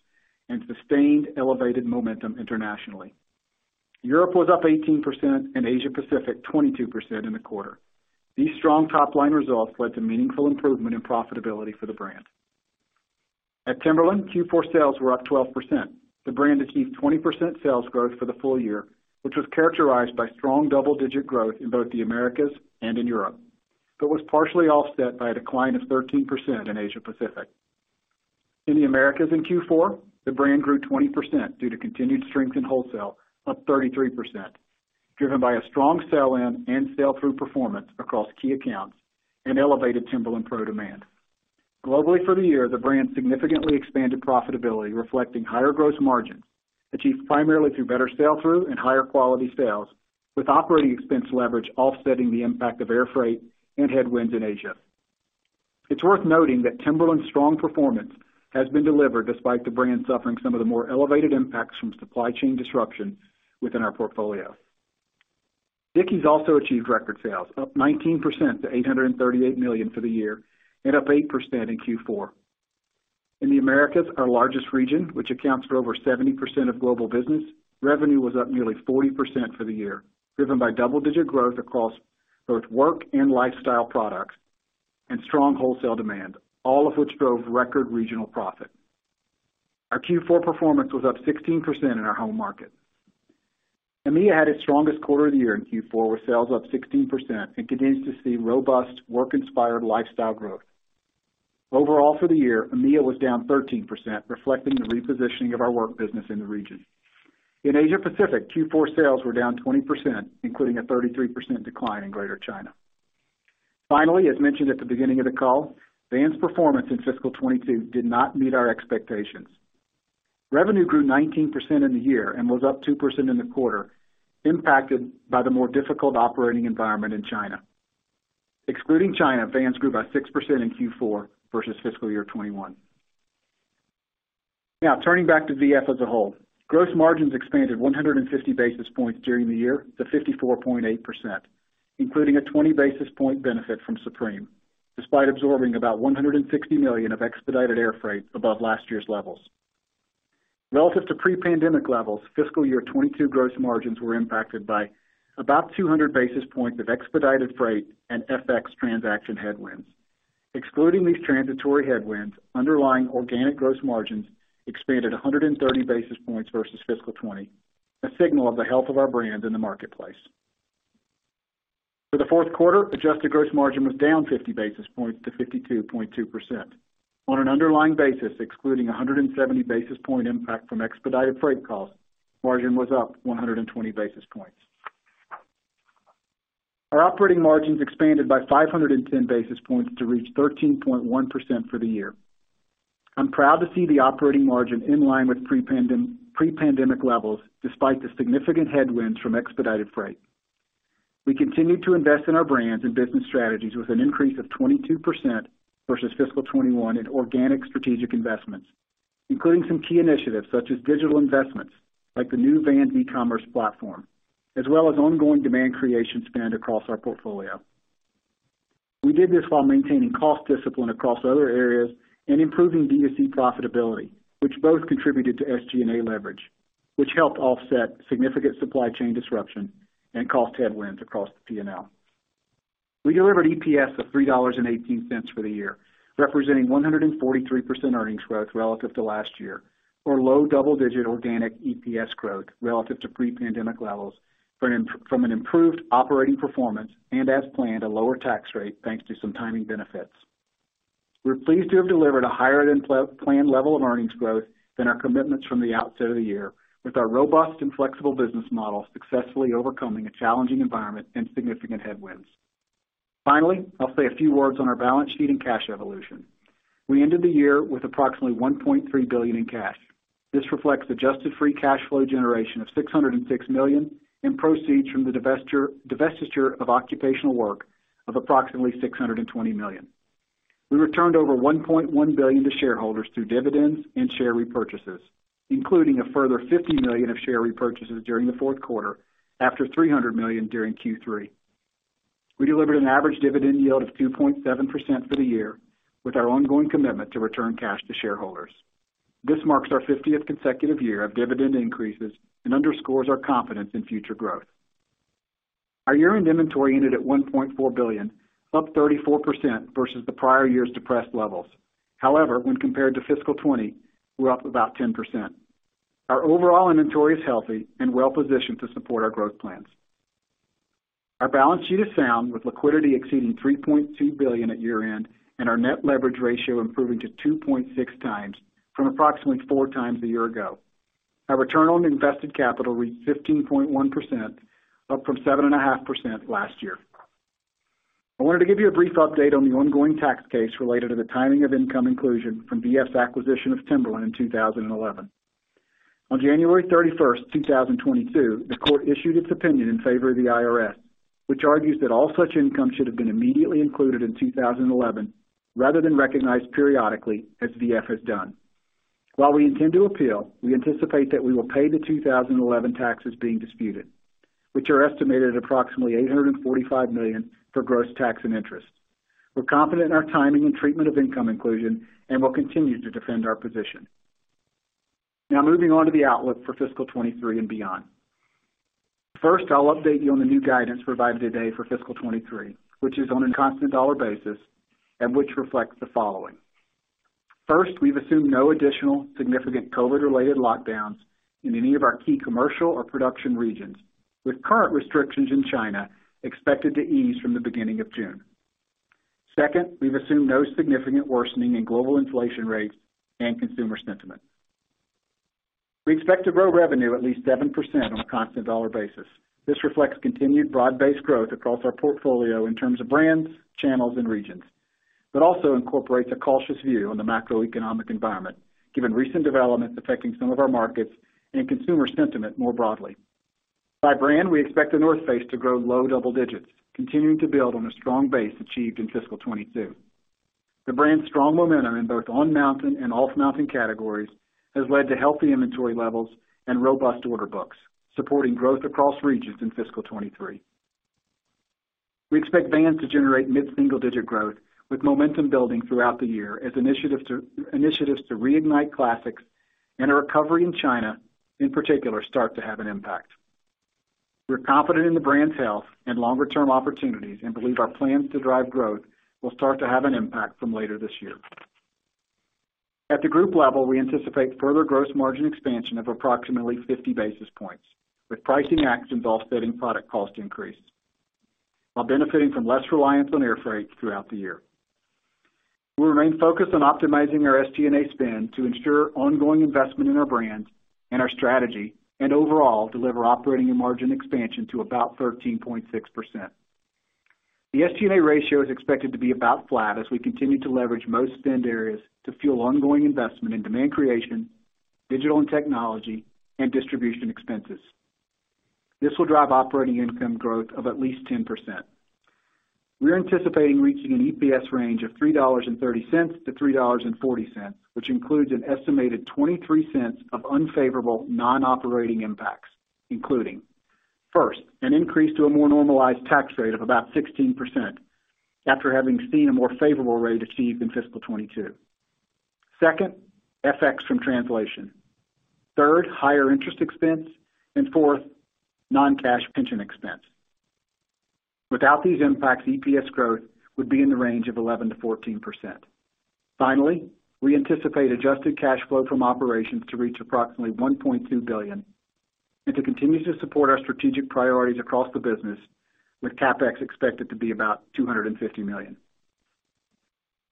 and sustained elevated momentum internationally. Europe was up 18% and Asia Pacific 22% in the quarter. These strong top-line results led to meaningful improvement in profitability for the brand. At Timberland, Q4 sales were up 12%. The brand achieved 20% sales growth for the full year, which was characterized by strong double-digit growth in both the Americas and in Europe, but was partially offset by a decline of 13% in Asia Pacific. In the Americas in Q4, the brand grew 20% due to continued strength in wholesale, up 33%, driven by a strong sell-in and sell-through performance across key accounts and elevated Timberland PRO demand. Globally, for the year, the brand significantly expanded profitability, reflecting higher gross margins achieved primarily through better sell-through and higher quality sales, with operating expense leverage offsetting the impact of air freight and headwinds in Asia. It's worth noting that Timberland's strong performance has been delivered despite the brand suffering some of the more elevated impacts from supply chain disruption within our portfolio. Dickies also achieved record sales, up 19% to $838 million for the year and up 8% in Q4. In the Americas, our largest region, which accounts for over 70% of global business, revenue was up nearly 40% for the year, driven by double-digit growth across both work and lifestyle products and strong wholesale demand, all of which drove record regional profit. Our Q4 performance was up 16% in our home market. EMEA had its strongest quarter of the year in Q4, with sales up 16% and continues to see robust work-inspired lifestyle growth. Overall, for the year, EMEA was down 13%, reflecting the repositioning of our work business in the region. In Asia Pacific, Q4 sales were down 20%, including a 33% decline in Greater China. Finally, as mentioned at the beginning of the call, Vans performance in fiscal 2022 did not meet our expectations. Revenue grew 19% in the year and was up 2% in the quarter, impacted by the more difficult operating environment in China. Excluding China, Vans grew by 6% in Q4 versus fiscal year 2021. Now, turning back to VF as a whole. Gross margins expanded 150 basis points during the year to 54.8%, including a 20 basis point benefit from Supreme, despite absorbing about $160 million of expedited air freight above last year's levels. Relative to pre-pandemic levels, fiscal year 2022 gross margins were impacted by about 200 basis points of expedited freight and FX transaction headwinds. Excluding these transitory headwinds, underlying organic gross margins expanded 130 basis points versus fiscal 2020, a signal of the health of our brand in the marketplace. For the fourth quarter, adjusted gross margin was down 50 basis points to 52.2%. On an underlying basis, excluding a 170 basis point impact from expedited freight costs, margin was up 120 basis points. Our operating margins expanded by 510 basis points to reach 13.1% for the year. I'm proud to see the operating margin in line with pre-pandemic levels despite the significant headwinds from expedited freight. We continued to invest in our brands and business strategies with an increase of 22% versus fiscal 2021 in organic strategic investments, including some key initiatives such as digital investments like the new Vans e-commerce platform, as well as ongoing demand creation spend across our portfolio. We did this while maintaining cost discipline across other areas and improving DTC profitability, which both contributed to SG&A leverage, which helped offset significant supply chain disruption and cost headwinds across the P&L. We delivered EPS of $3.18 for the year, representing 143% earnings growth relative to last year or low double-digit organic EPS growth relative to pre-pandemic levels from an improved operating performance and as planned a lower tax rate, thanks to some timing benefits. We're pleased to have delivered a higher than planned level of earnings growth than our commitments from the outset of the year, with our robust and flexible business model successfully overcoming a challenging environment and significant headwinds. Finally, I'll say a few words on our balance sheet and cash evolution. We ended the year with approximately $1.3 billion in cash. This reflects adjusted free cash flow generation of $606 million and proceeds from the divestiture of occupational work of approximately $620 million. We returned over $1.1 billion to shareholders through dividends and share repurchases, including a further $50 million of share repurchases during the fourth quarter after $300 million during Q3. We delivered an average dividend yield of 2.7% for the year, with our ongoing commitment to return cash to shareholders. This marks our fiftieth consecutive year of dividend increases and underscores our confidence in future growth. Our year-end inventory ended at $1.4 billion, up 34% versus the prior year's depressed levels. However, when compared to fiscal 2020, we're up about 10%. Our overall inventory is healthy and well-positioned to support our growth plans. Our balance sheet is sound, with liquidity exceeding $3.2 billion at year-end, and our net leverage ratio improving to 2.6 times from approximately four times a year ago. Our return on invested capital reached 15.1%, up from 7.5% last year. I wanted to give you a brief update on the ongoing tax case related to the timing of income inclusion from VF's acquisition of Timberland in 2011. On January 31, 2022, the court issued its opinion in favor of the IRS, which argues that all such income should have been immediately included in 2011 rather than recognized periodically as VF has done. While we intend to appeal, we anticipate that we will pay the 2011 taxes being disputed, which are estimated at approximately $845 million for gross tax and interest. We're confident in our timing and treatment of income inclusion and will continue to defend our position. Now moving on to the outlook for fiscal 2023 and beyond. First, I'll update you on the new guidance provided today for fiscal 2023, which is on a constant dollar basis and which reflects the following. First, we've assumed no additional significant COVID-related lockdowns in any of our key commercial or production regions, with current restrictions in China expected to ease from the beginning of June. Second, we've assumed no significant worsening in global inflation rates and consumer sentiment. We expect to grow revenue at least 7% on a constant dollar basis. This reflects continued broad-based growth across our portfolio in terms of brands, channels, and regions, but also incorporates a cautious view on the macroeconomic environment, given recent developments affecting some of our markets and consumer sentiment more broadly. By brand, we expect The North Face to grow low double digits, continuing to build on a strong base achieved in fiscal 2022. The brand's strong momentum in both on-mountain and off-mountain categories has led to healthy inventory levels and robust order books, supporting growth across regions in fiscal 2023. We expect Vans to generate mid-single-digit growth with momentum building throughout the year as initiatives to reignite classics and a recovery in China, in particular, start to have an impact. We're confident in the brand's health and longer-term opportunities and believe our plans to drive growth will start to have an impact from later this year. At the group level, we anticipate further gross margin expansion of approximately 50 basis points, with pricing actions offsetting product cost increases while benefiting from less reliance on air freight throughout the year. We remain focused on optimizing our SG&A spend to ensure ongoing investment in our brands and our strategy and overall deliver operating and margin expansion to about 13.6%. The SG&A ratio is expected to be about flat as we continue to leverage most spend areas to fuel ongoing investment in demand creation, digital and technology, and distribution expenses. This will drive operating income growth of at least 10%. We're anticipating reaching an EPS range of $3.30-$3.40, which includes an estimated $0.23 of unfavorable non-operating impacts, including, first, an increase to a more normalized tax rate of about 16% after having seen a more favorable rate achieved in fiscal 2022. Second, FX from translation. Third, higher interest expense. And fourth, non-cash pension expense. Without these impacts, EPS growth would be in the range of 11%-14%. Finally, we anticipate adjusted cash flow from operations to reach approximately $1.2 billion and to continue to support our strategic priorities across the business, with CapEx expected to be about $250 million.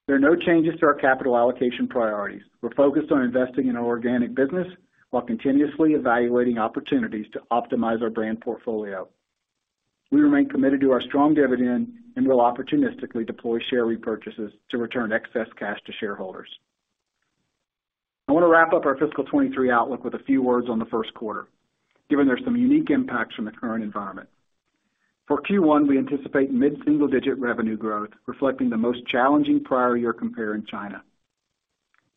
There are no changes to our capital allocation priorities. We're focused on investing in our organic business while continuously evaluating opportunities to optimize our brand portfolio. We remain committed to our strong dividend and will opportunistically deploy share repurchases to return excess cash to shareholders. I want to wrap up our fiscal 2023 outlook with a few words on the first quarter, given there's some unique impacts from the current environment. For Q1, we anticipate mid-single-digit revenue growth, reflecting the most challenging prior year compare in China.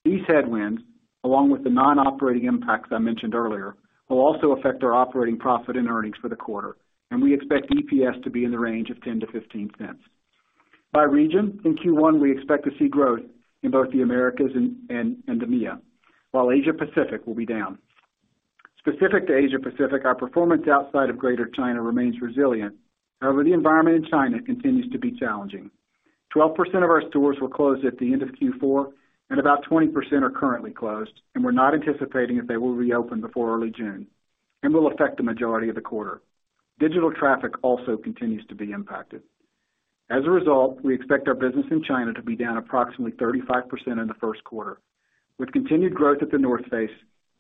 These headwinds, along with the non-operating impacts I mentioned earlier, will also affect our operating profit and earnings for the quarter, and we expect EPS to be in the range of $0.10-$0.15. By region, in Q1, we expect to see growth in both the Americas and EMEA, while Asia-Pacific will be down. Specific to Asia-Pacific, our performance outside of Greater China remains resilient. However, the environment in China continues to be challenging. 12% of our stores were closed at the end of Q4, and about 20% are currently closed, and we're not anticipating that they will reopen before early June and will affect the majority of the quarter. Digital traffic also continues to be impacted. As a result, we expect our business in China to be down approximately 35% in the first quarter. With continued growth at The North Face,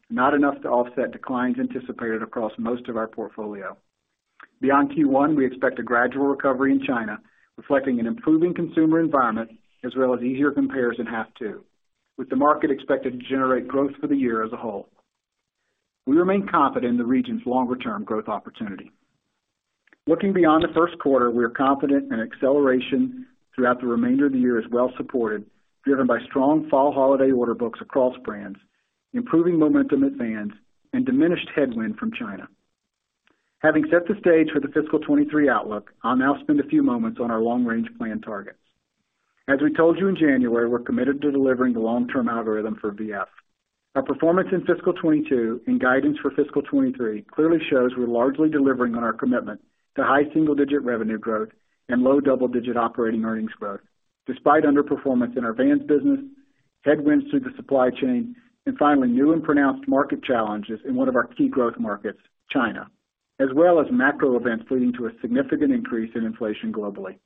not enough to offset declines anticipated across most of our portfolio. Beyond Q1, we expect a gradual recovery in China, reflecting an improving consumer environment as well as easier compares in half two, with the market expected to generate growth for the year as a whole. We remain confident in the region's longer-term growth opportunity. Looking beyond the first quarter, we are confident an acceleration throughout the remainder of the year is well supported, driven by strong fall holiday order books across brands. Improving momentum at Vans and diminished headwind from China. Having set the stage for the fiscal 2023 outlook, I'll now spend a few moments on our long-range plan targets. As we told you in January, we're committed to delivering the long-term algorithm for VF. Our performance in fiscal 2022 and guidance for fiscal 2023 clearly shows we're largely delivering on our commitment to high single-digit revenue growth and low double-digit operating earnings growth, despite underperformance in our Vans business, headwinds through the supply chain and finally, new and pronounced market challenges in one of our key growth markets, China. As well as macro events leading to a significant increase in inflation globally.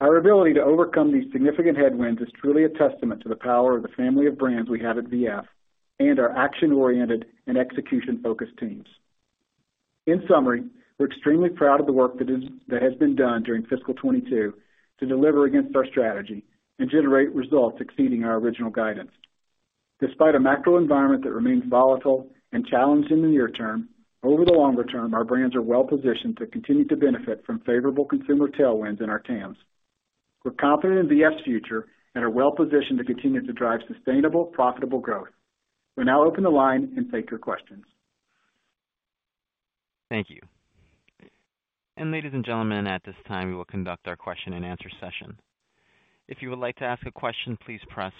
Our ability to overcome these significant headwinds is truly a testament to the power of the family of brands we have at VF and our action-oriented and execution-focused teams. In summary, we're extremely proud of the work that has been done during fiscal 2022 to deliver against our strategy and generate results exceeding our original guidance. Despite a macro environment that remains volatile and challenged in the near term, over the longer term, our brands are well positioned to continue to benefit from favorable consumer tailwinds in our TAMS. We're confident in VF's future and are well positioned to continue to drive sustainable, profitable growth. We'll now open the line and take your questions. Thank you. Ladies and gentlemen, at this time, we will conduct our question-and-answer session. If you would like to ask a question, please press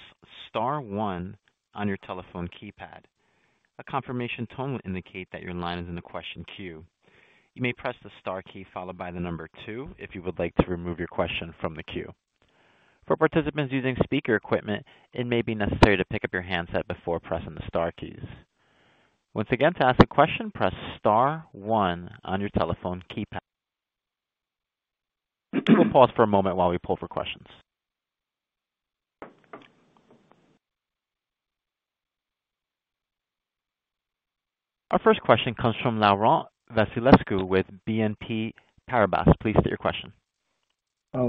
star one on your telephone keypad. A confirmation tone will indicate that your line is in the question queue. You may press the star key followed by the number two if you would like to remove your question from the queue. For participants using speaker equipment, it may be necessary to pick up your handset before pressing the star keys. Once again, to ask a question, press star one on your telephone keypad. We will pause for a moment while we pull for questions. Our first question comes from Laurent Vasilescu with BNP Paribas. Please state your question.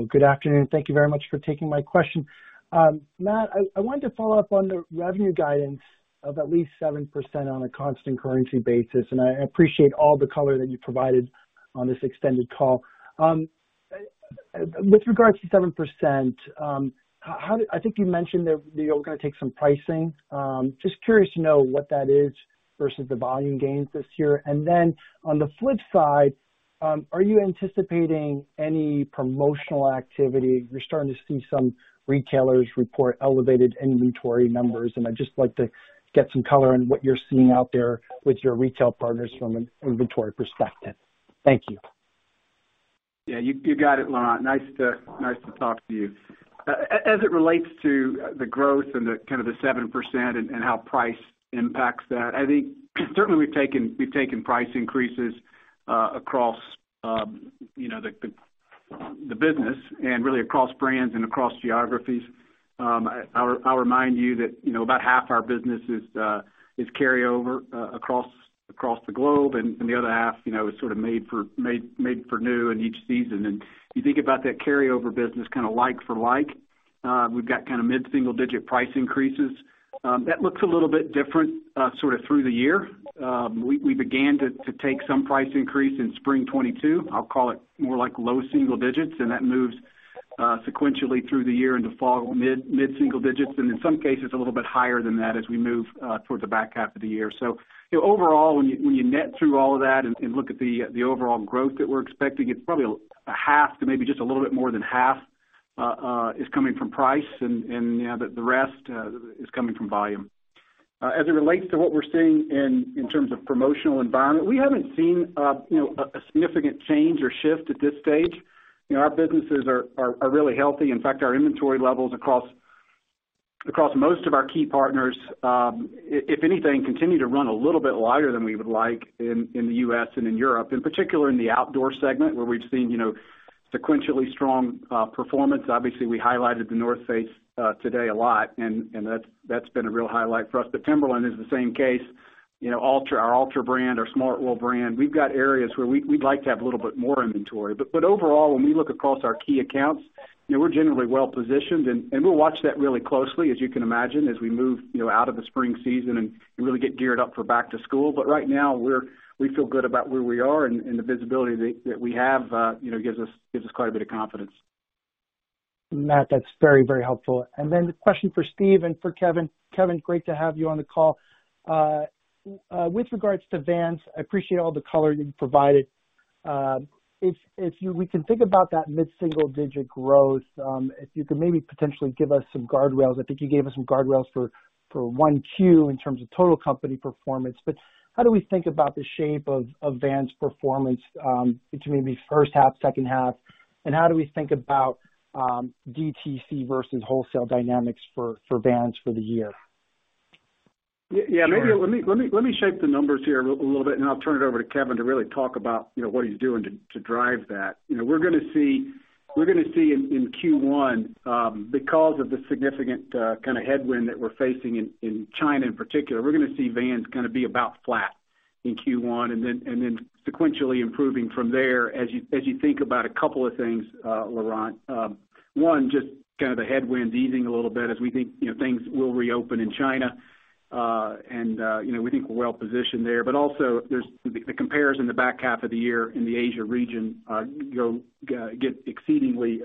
Good afternoon. Thank you very much for taking my question. Matt, I wanted to follow up on the revenue guidance of at least 7% on a constant currency basis, and I appreciate all the color that you provided on this extended call. With regards to 7%, I think you mentioned that you're gonna take some pricing. Just curious to know what that is versus the volume gains this year. On the flip side, are you anticipating any promotional activity? We're starting to see some retailers report elevated inventory numbers, and I'd just like to get some color on what you're seeing out there with your retail partners from an inventory perspective. Thank you. Yeah, you got it, Laurent. Nice to talk to you. As it relates to the growth and the kind of the 7% and how price impacts that, I think certainly we've taken price increases across you know the business and really across brands and across geographies. I'll remind you that you know about half our business is carryover across the globe, and the other half you know is sort of made for new in each season. You think about that carryover business kind of like for like we've got kind of mid-single digit price increases. That looks a little bit different sort of through the year. We began to take some price increase in spring 2022. I'll call it more like low single digits, and that moves sequentially through the year into fall mid-single digits, and in some cases, a little bit higher than that as we move towards the back half of the year. You know, overall, when you net through all of that and look at the overall growth that we're expecting, it's probably a half to maybe just a little bit more than half is coming from price and, you know, the rest is coming from volume. As it relates to what we're seeing in terms of promotional environment, we haven't seen you know, a significant change or shift at this stage. You know, our businesses are really healthy. In fact, our inventory levels across most of our key partners, if anything, continue to run a little bit lighter than we would like in the U.S. and in Europe, in particular in the outdoor segment, where we've seen, you know, sequentially strong performance. Obviously, we highlighted The North Face today a lot, and that's been a real highlight for us. But Timberland is the same case. You know, Altra, our Altra brand, our Smartwool brand. We've got areas where we'd like to have a little bit more inventory. But overall, when we look across our key accounts, you know, we're generally well-positioned, and we'll watch that really closely, as you can imagine, as we move, you know, out of the spring season and really get geared up for back to school. Right now, we feel good about where we are and the visibility that we have, you know, gives us quite a bit of confidence. Matt, that's very, very helpful. The question for Steve and for Kevin. Kevin, great to have you on the call. With regards to Vans, I appreciate all the color you provided. If we can think about that mid-single digit growth, if you could maybe potentially give us some guardrails. I think you gave us some guardrails for one Q in terms of total company performance. How do we think about the shape of Vans' performance between maybe first half, second half, and how do we think about DTC versus wholesale dynamics for Vans for the year? Yeah. Maybe let me shape the numbers here a little bit, and I'll turn it over to Kevin to really talk about, you know, what he's doing to drive that. You know, we're gonna see in Q1, because of the significant kind of headwind that we're facing in China in particular, we're gonna see Vans kind of be about flat in Q1 and then sequentially improving from there as you think about a couple of things, Laurent. One, just kind of the headwinds easing a little bit as we think, you know, things will reopen in China, and you know, we think we're well positioned there. Also, there's the comparison in the back half of the year in the Asia region get exceedingly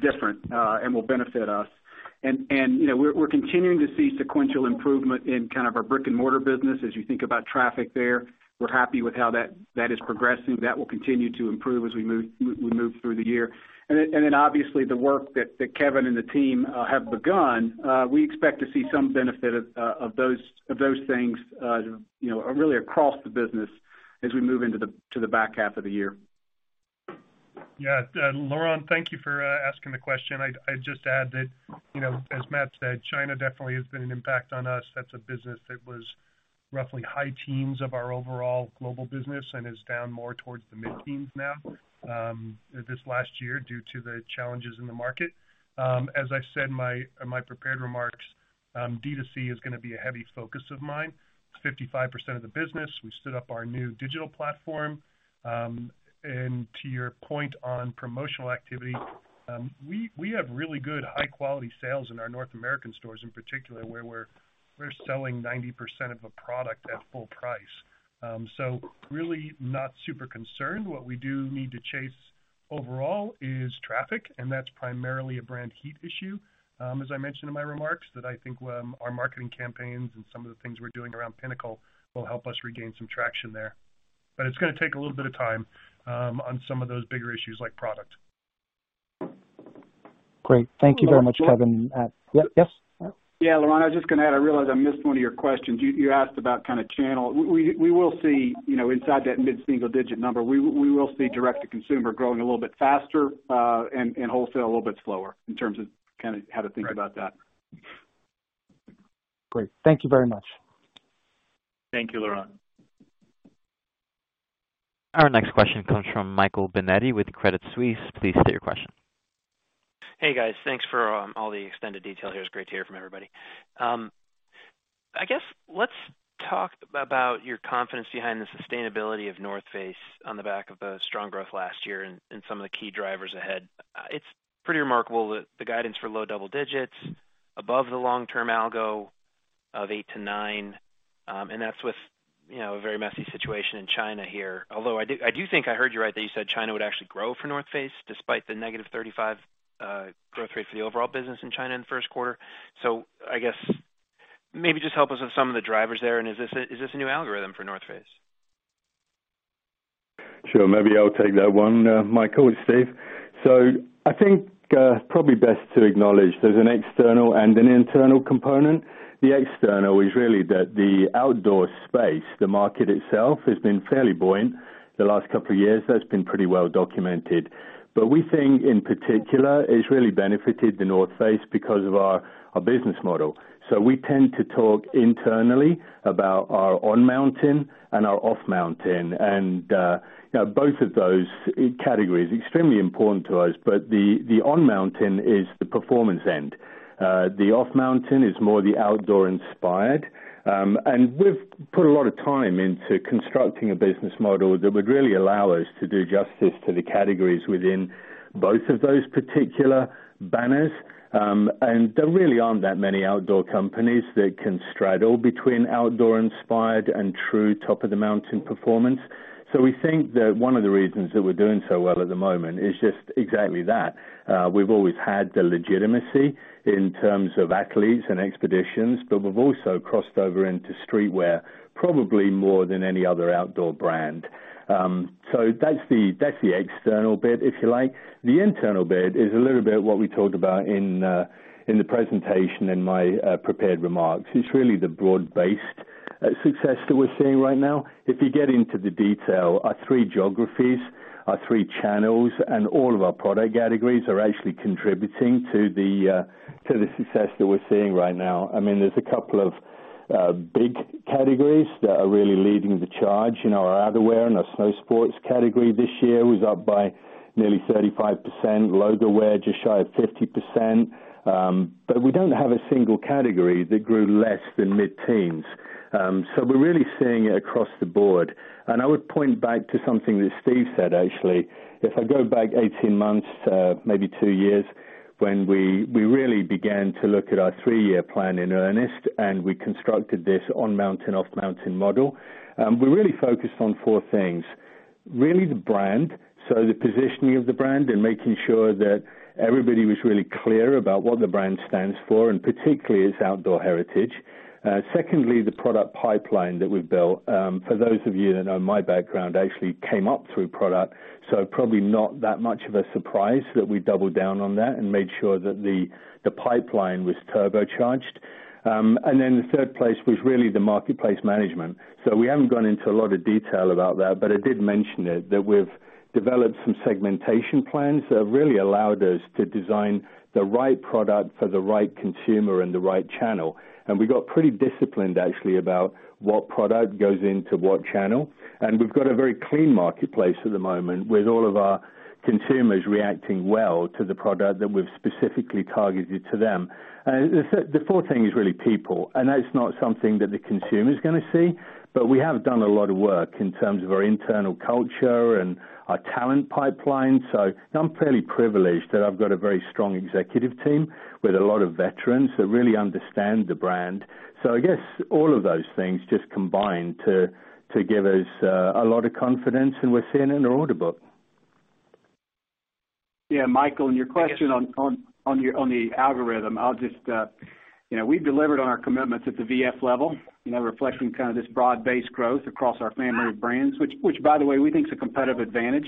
different and will benefit us. You know, we're continuing to see sequential improvement in kind of our brick-and-mortar business. As you think about traffic there, we're happy with how that is progressing. That will continue to improve as we move through the year. Obviously the work that Kevin and the team have begun, we expect to see some benefit of those things you know really across the business as we move into the back half of the year. Yeah. Laurent, thank you for asking the question. I'd just add that, you know, as Matt said, China definitely has been an impact on us. That's a business that was roughly high teens of our overall global business and is down more towards the mid-teens now, this last year due to the challenges in the market. As I said in my prepared remarks, DTC is gonna be a heavy focus of mine. It's 55% of the business. We stood up our new digital platform. To your point on promotional activity, we have really good high-quality sales in our North American stores in particular, where we're selling 90% of a product at full price. Really not super concerned. What we do need to chase overall is traffic, and that's primarily a brand heat issue. As I mentioned in my remarks, that I think, our marketing campaigns and some of the things we're doing around Pinnacle will help us regain some traction there. It's gonna take a little bit of time, on some of those bigger issues like product. Great. Thank you very much, Kevin. Hello. Yes. Laurent, I was just gonna add. I realize I missed one of your questions. You asked about kind of channel. We will see, you know, inside that mid-single digit number. We will see direct-to-consumer growing a little bit faster, and wholesale a little bit slower in terms of kind of how to think about that. Great. Thank you very much. Thank you, Laurent. Our next question comes from Michael Binetti with Credit Suisse. Please state your question. Hey, guys. Thanks for all the extended detail here. It's great to hear from everybody. I guess let's talk about your confidence behind the sustainability of North Face on the back of the strong growth last year and some of the key drivers ahead. It's pretty remarkable that the guidance for low double digits% above the long-term algorithm of 8%-9%, and that's with, you know, a very messy situation in China here. Although I do think I heard you right that you said China would actually grow for North Face despite the -35% growth rate for the overall business in China in the first quarter. I guess maybe just help us with some of the drivers there, and is this a new algorithm for North Face? Sure. Maybe I'll take that one, Michael. It's Steve. I think, probably best to acknowledge there's an external and an internal component. The external is really that the outdoor space, the market itself, has been fairly buoyant the last couple of years. That's been pretty well documented. We think, in particular, it's really benefited The North Face because of our business model. We tend to talk internally about our on-mountain and our off-mountain. You know, both of those categories are extremely important to us. The on-mountain is the performance end. The off-mountain is more the outdoor inspired. We've put a lot of time into constructing a business model that would really allow us to do justice to the categories within both of those particular banners. There really aren't that many outdoor companies that can straddle between outdoor inspired and true top of the mountain performance. We think that one of the reasons that we're doing so well at the moment is just exactly that. We've always had the legitimacy in terms of athletes and expeditions, but we've also crossed over into streetwear probably more than any other outdoor brand. That's the external bit, if you like. The internal bit is a little bit what we talked about in the presentation, in my prepared remarks. It's really the broad-based success that we're seeing right now. If you get into the detail, our three geographies, our three channels, and all of our product categories are actually contributing to the success that we're seeing right now. I mean, there's a couple of big categories that are really leading the charge. You know, our outerwear and our snow sports category this year was up by nearly 35%. Logowear, just shy of 50%. But we don't have a single category that grew less than mid-teens. So we're really seeing it across the board. I would point back to something that Steve said, actually. If I go back 18 months, maybe 2 years, when we really began to look at our three-year plan in earnest, and we constructed this on-mountain, off-mountain model, we really focused on four things. Really the brand, so the positioning of the brand and making sure that everybody was really clear about what the brand stands for, and particularly its outdoor heritage. Secondly, the product pipeline that we've built. For those of you that know my background, I actually came up through product, so probably not that much of a surprise that we doubled down on that and made sure that the pipeline was turbocharged. The third place was really the marketplace management. We haven't gone into a lot of detail about that, but I did mention it, that we've developed some segmentation plans that have really allowed us to design the right product for the right consumer and the right channel. We got pretty disciplined actually about what product goes into what channel. We've got a very clean marketplace at the moment with all of our consumers reacting well to the product that we've specifically targeted to them. The fourth thing is really people, and that's not something that the consumer's gonna see. We have done a lot of work in terms of our internal culture and our talent pipeline. I'm fairly privileged that I've got a very strong executive team with a lot of veterans that really understand the brand. I guess all of those things just combine to give us a lot of confidence in what we're seeing in our order book. Yeah, Michael, your question on the algorithm, I'll just, you know, we've delivered on our commitments at the VF level, you know, reflecting kind of this broad-based growth across our family of brands, which by the way, we think is a competitive advantage.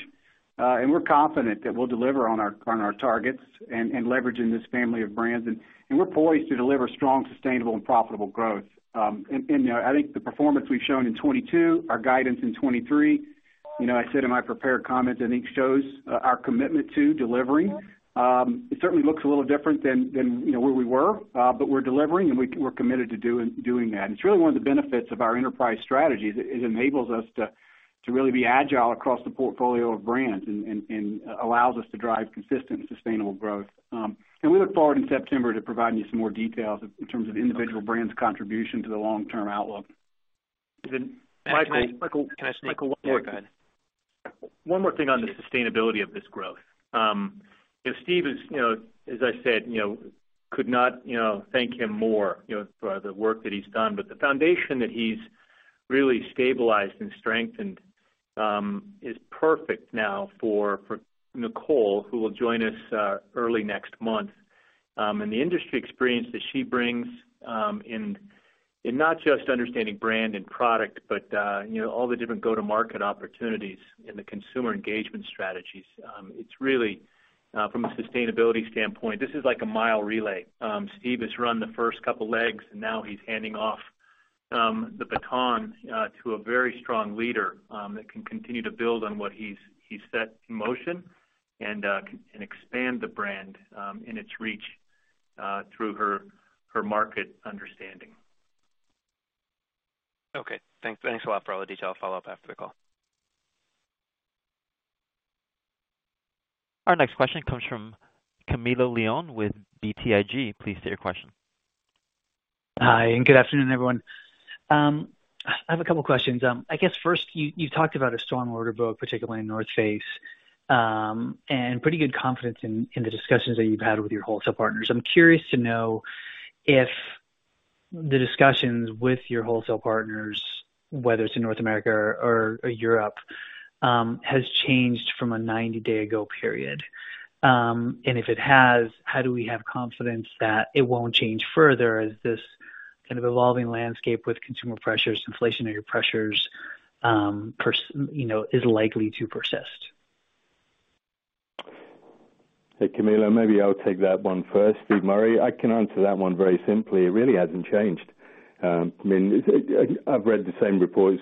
We're confident that we'll deliver on our targets and leveraging this family of brands. We're poised to deliver strong, sustainable, and profitable growth. You know, I think the performance we've shown in 2022, our guidance in 2023, you know, I said in my prepared comments, I think shows our commitment to delivering. It certainly looks a little different than, you know, where we were, but we're delivering, and we're committed to doing that. It's really one of the benefits of our enterprise strategy is it enables us to really be agile across the portfolio of brands and allows us to drive consistent, sustainable growth. We look forward in September to providing you some more details in terms of individual brands' contribution to the long-term outlook. Michael. Can I sneak? Michael, one more. Yeah, go ahead. One more thing on the sustainability of this growth. You know, Steve is, you know, as I said, you know, could not, you know, thank him more, you know, for the work that he's done. The foundation that he's really stabilized and strengthened is perfect now for Nicole, who will join us early next month. The industry experience that she brings in not just understanding brand and product but, you know, all the different go-to-market opportunities and the consumer engagement strategies, it's really from a sustainability standpoint, this is like a mile relay. Steve has run the first couple legs, and now he's handing off the baton to a very strong leader that can continue to build on what he set in motion and expand the brand in its reach through her market understanding. Okay. Thanks. Thanks a lot for all the detail. I'll follow up after the call. Our next question comes from Camilo Lyon with BTIG. Please state your question. Hi, good afternoon, everyone. I have a couple questions. I guess first, you talked about a strong order book, particularly in North Face, and pretty good confidence in the discussions that you've had with your wholesale partners. I'm curious to know if the discussions with your wholesale partners, whether it's in North America or Europe, has changed from a 90-day ago period. If it has, how do we have confidence that it won't change further as this kind of evolving landscape with consumer pressures, inflationary pressures, you know, is likely to persist? Hey, Camilo, maybe I'll take that one first. Steve Murray. I can answer that one very simply. It really hasn't changed. I mean, I've read the same reports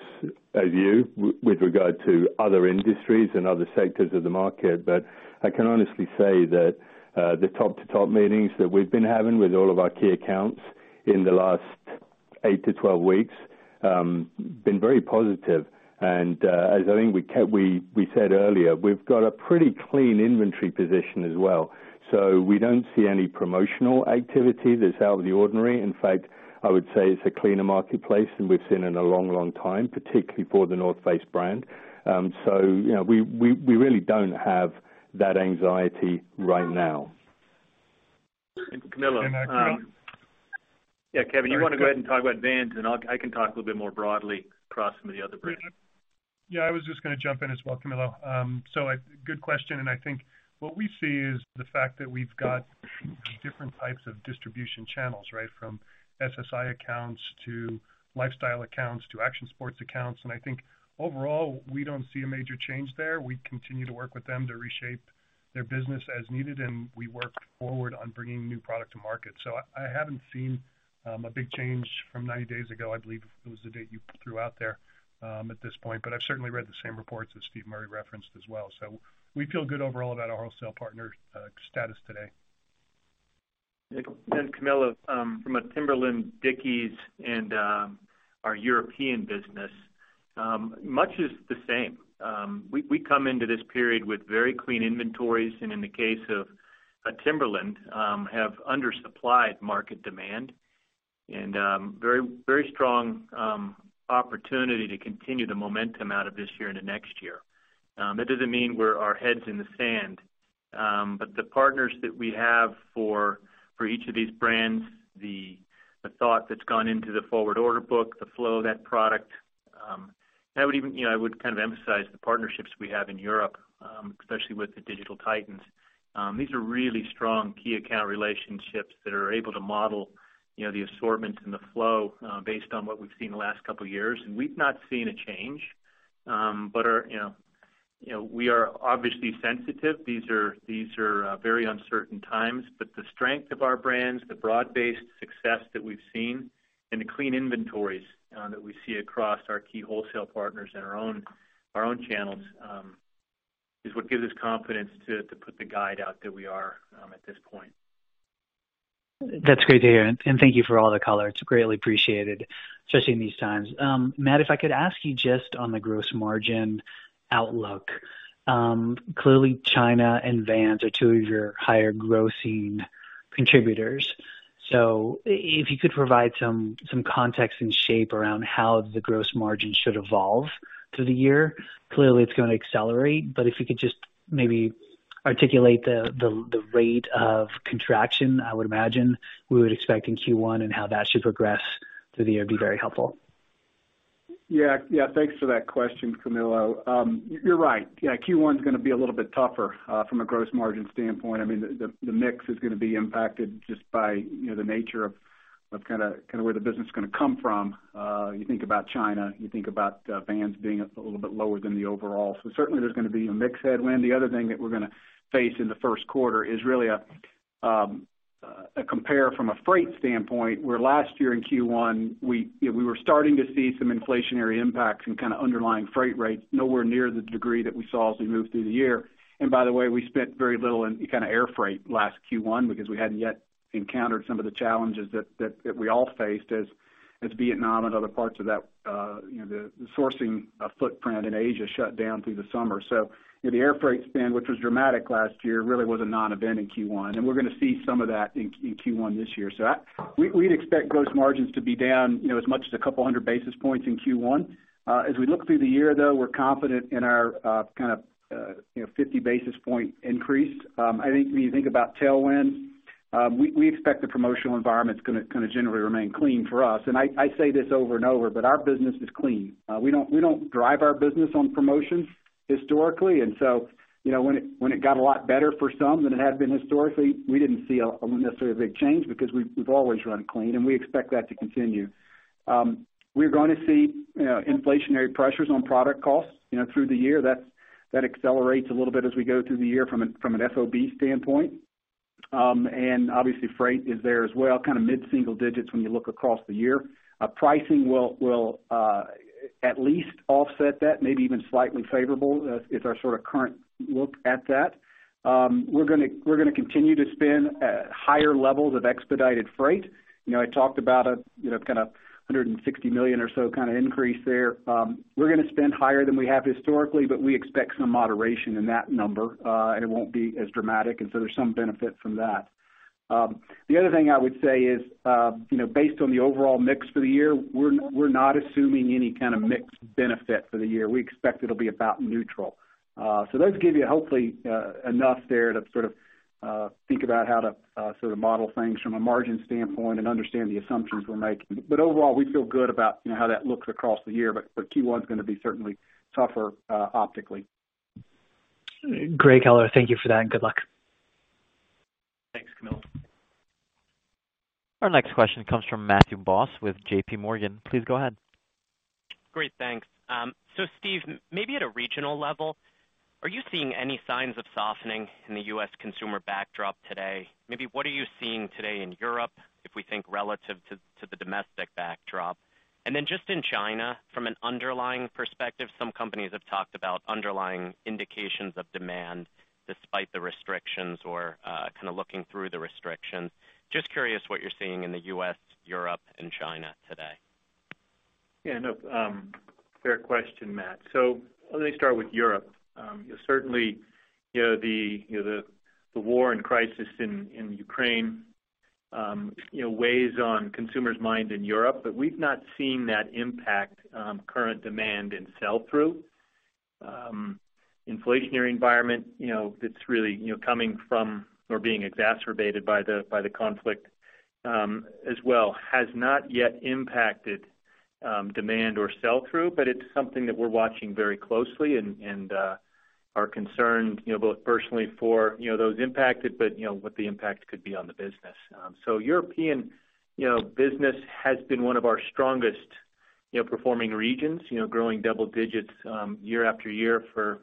as you with regard to other industries and other sectors of the market, but I can honestly say that, the top-to-top meetings that we've been having with all of our key accounts in the last 8-12 weeks, been very positive. As I think we said earlier, we've got a pretty clean inventory position as well. We don't see any promotional activity that's out of the ordinary. In fact, I would say it's a cleaner marketplace than we've seen in a long, long time, particularly for The North Face brand. You know, we really don't have that anxiety right now. Camilo. Yeah, Kevin, you wanna go ahead and talk about Vans, and I can talk a little bit more broadly across some of the other brands. Yeah. I was just gonna jump in as well, Camilo. A good question, and I think what we see is the fact that we've got different types of distribution channels, right? From ASI accounts to lifestyle accounts to action sports accounts. I think overall, we don't see a major change there. We continue to work with them to reshape their business as needed, and we work forward on bringing new product to market. I haven't seen a big change from 90 days ago. I believe it was the date you threw out there, at this point. I've certainly read the same reports that Steve Murray referenced as well. We feel good overall about our wholesale partner status today. Camilo, from a Timberland, Dickies, and our European business, much is the same. We come into this period with very clean inventories, and in the case of Timberland, have undersupplied market demand and very, very strong opportunity to continue the momentum out of this year into next year. That doesn't mean we have our heads in the sand. But the partners that we have for each of these brands, the thought that's gone into the forward order book, the flow of that product, and I would even, you know, I would kind of emphasize the partnerships we have in Europe, especially with the digital titans. These are really strong key account relationships that are able to model, you know, the assortments and the flow based on what we've seen the last couple years. We've not seen a change, but, you know, we are obviously sensitive. These are very uncertain times. The strength of our brands, the broad-based success that we've seen, and the clean inventories that we see across our key wholesale partners and our own channels is what gives us confidence to put the guide out that we are at this point. That's great to hear, and thank you for all the color. It's greatly appreciated, especially in these times. Matt, if I could ask you just on the gross margin outlook. Clearly, China and Vans are two of your higher grossing contributors. If you could provide some context and shape around how the gross margin should evolve through the year. Clearly it's gonna accelerate, but if you could just maybe articulate the rate of contraction, I would imagine we would expect in Q1 and how that should progress through the year would be very helpful. Yeah. Yeah. Thanks for that question, Camilo. You're right. Yeah, Q1 is gonna be a little bit tougher from a gross margin standpoint. I mean, the mix is gonna be impacted just by, you know, the nature of kinda where the business is gonna come from. You think about China, Vans being a little bit lower than the overall. So certainly there's gonna be a mix headwind. The other thing that we're gonna face in the first quarter is really a compare from a freight standpoint, where last year in Q1, you know, we were starting to see some inflationary impacts and kinda underlying freight rates nowhere near the degree that we saw as we moved through the year. By the way, we spent very little in kinda air freight last Q1 because we hadn't yet encountered some of the challenges that we all faced as Vietnam and other parts of that, you know, the sourcing footprint in Asia shut down through the summer. You know, the air freight spend, which was dramatic last year, really was a non-event in Q1. We're gonna see some of that in Q1 this year. We'd expect gross margins to be down, you know, as much as a couple of hundred basis points in Q1. As we look through the year though, we're confident in our kind of you know 50 basis point increase. I think when you think about tailwind, we expect the promotional environment's gonna kinda generally remain clean for us. I say this over and over, but our business is clean. We don't drive our business on promotions historically. You know, when it got a lot better for some than it had been historically, we didn't see a necessarily big change because we've always run clean and we expect that to continue. We're gonna see, you know, inflationary pressures on product costs, you know, through the year. That accelerates a little bit as we go through the year from an FOB standpoint. Obviously freight is there as well, kind of mid-single digits when you look across the year. Pricing will at least offset that maybe even slightly favorable is our sort of current look at that. We're gonna continue to spend higher levels of expedited freight. You know, I talked about kind of a $160 million or so increase there. We're gonna spend higher than we have historically, but we expect some moderation in that number, and it won't be as dramatic, and so there's some benefit from that. The other thing I would say is, you know, based on the overall mix for the year, we're not assuming any kind of mix benefit for the year. We expect it'll be about neutral. Those give you hopefully enough there to sort of think about how to sort of model things from a margin standpoint and understand the assumptions we're making. Overall, we feel good about, you know, how that looks across the year. Q1 is gonna be certainly tougher, optically. Great, Keller. Thank you for that and good luck. Thanks, Camilo. Our next question comes from Matthew Boss with J.P. Morgan. Please go ahead. Great. Thanks. So Steve, maybe at a regional level, are you seeing any signs of softening in the U.S. consumer backdrop today? Maybe what are you seeing today in Europe if we think relative to the domestic backdrop? Then just in China, from an underlying perspective, some companies have talked about underlying indications of demand despite the restrictions or kinda looking through the restrictions. Just curious what you're seeing in the U.S., Europe and China today. Yeah. No, fair question, Matt. Let me start with Europe. Certainly, you know, the war and crisis in Ukraine weighs on consumers' mind in Europe, but we've not seen that impact current demand in sell-through. Inflationary environment coming from or being exacerbated by the conflict as well has not yet impacted demand or sell-through, but it's something that we're watching very closely and are concerned, you know, both personally for those impacted but what the impact could be on the business. European business has been one of our strongest performing regions, you know, growing double digits year after year for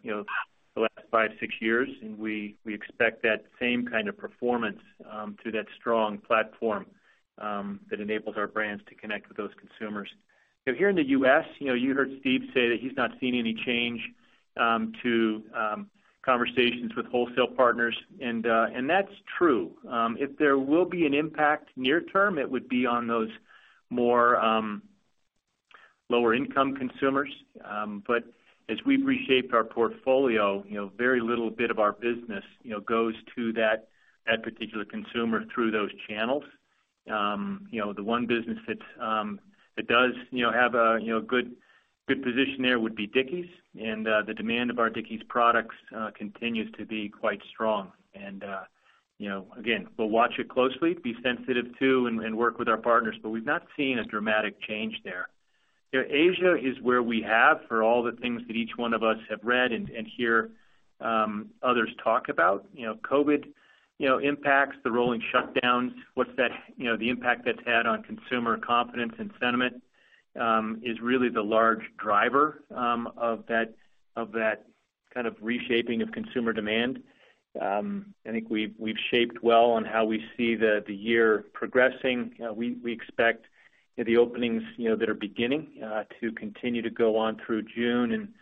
the last five, six years. We expect that same kind of performance through that strong platform that enables our brands to connect with those consumers. Here in the U.S., you know, you heard Steve say that he's not seeing any change to conversations with wholesale partners, and that's true. If there will be an impact near term, it would be on those more lower income consumers. As we've reshaped our portfolio, you know, very little bit of our business, you know, goes to that particular consumer through those channels. You know, the one business that does, you know, have a good position there would be Dickies. The demand of our Dickies products continues to be quite strong. You know, again, we'll watch it closely, be sensitive to and work with our partners, but we've not seen a dramatic change there. You know, Asia is where we have for all the things that each one of us have read and hear others talk about. You know, COVID, you know, impacts the rolling shutdowns. What's that, you know, the impact that's had on consumer confidence and sentiment is really the large driver of that kind of reshaping of consumer demand. I think we've shaped well on how we see the year progressing. We expect, you know, the openings, you know, that are beginning to continue to go on through June.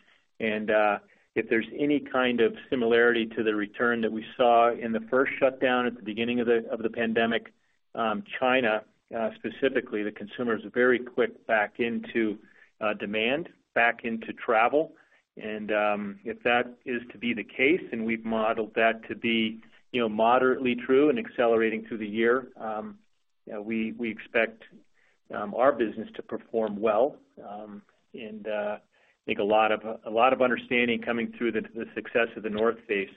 If there's any kind of similarity to the return that we saw in the first shutdown at the beginning of the pandemic, China, specifically, the consumer is very quick back into demand, back into travel. If that is to be the case, and we've modeled that to be, you know, moderately true and accelerating through the year, we expect our business to perform well, and I think a lot of understanding coming through the success of The North Face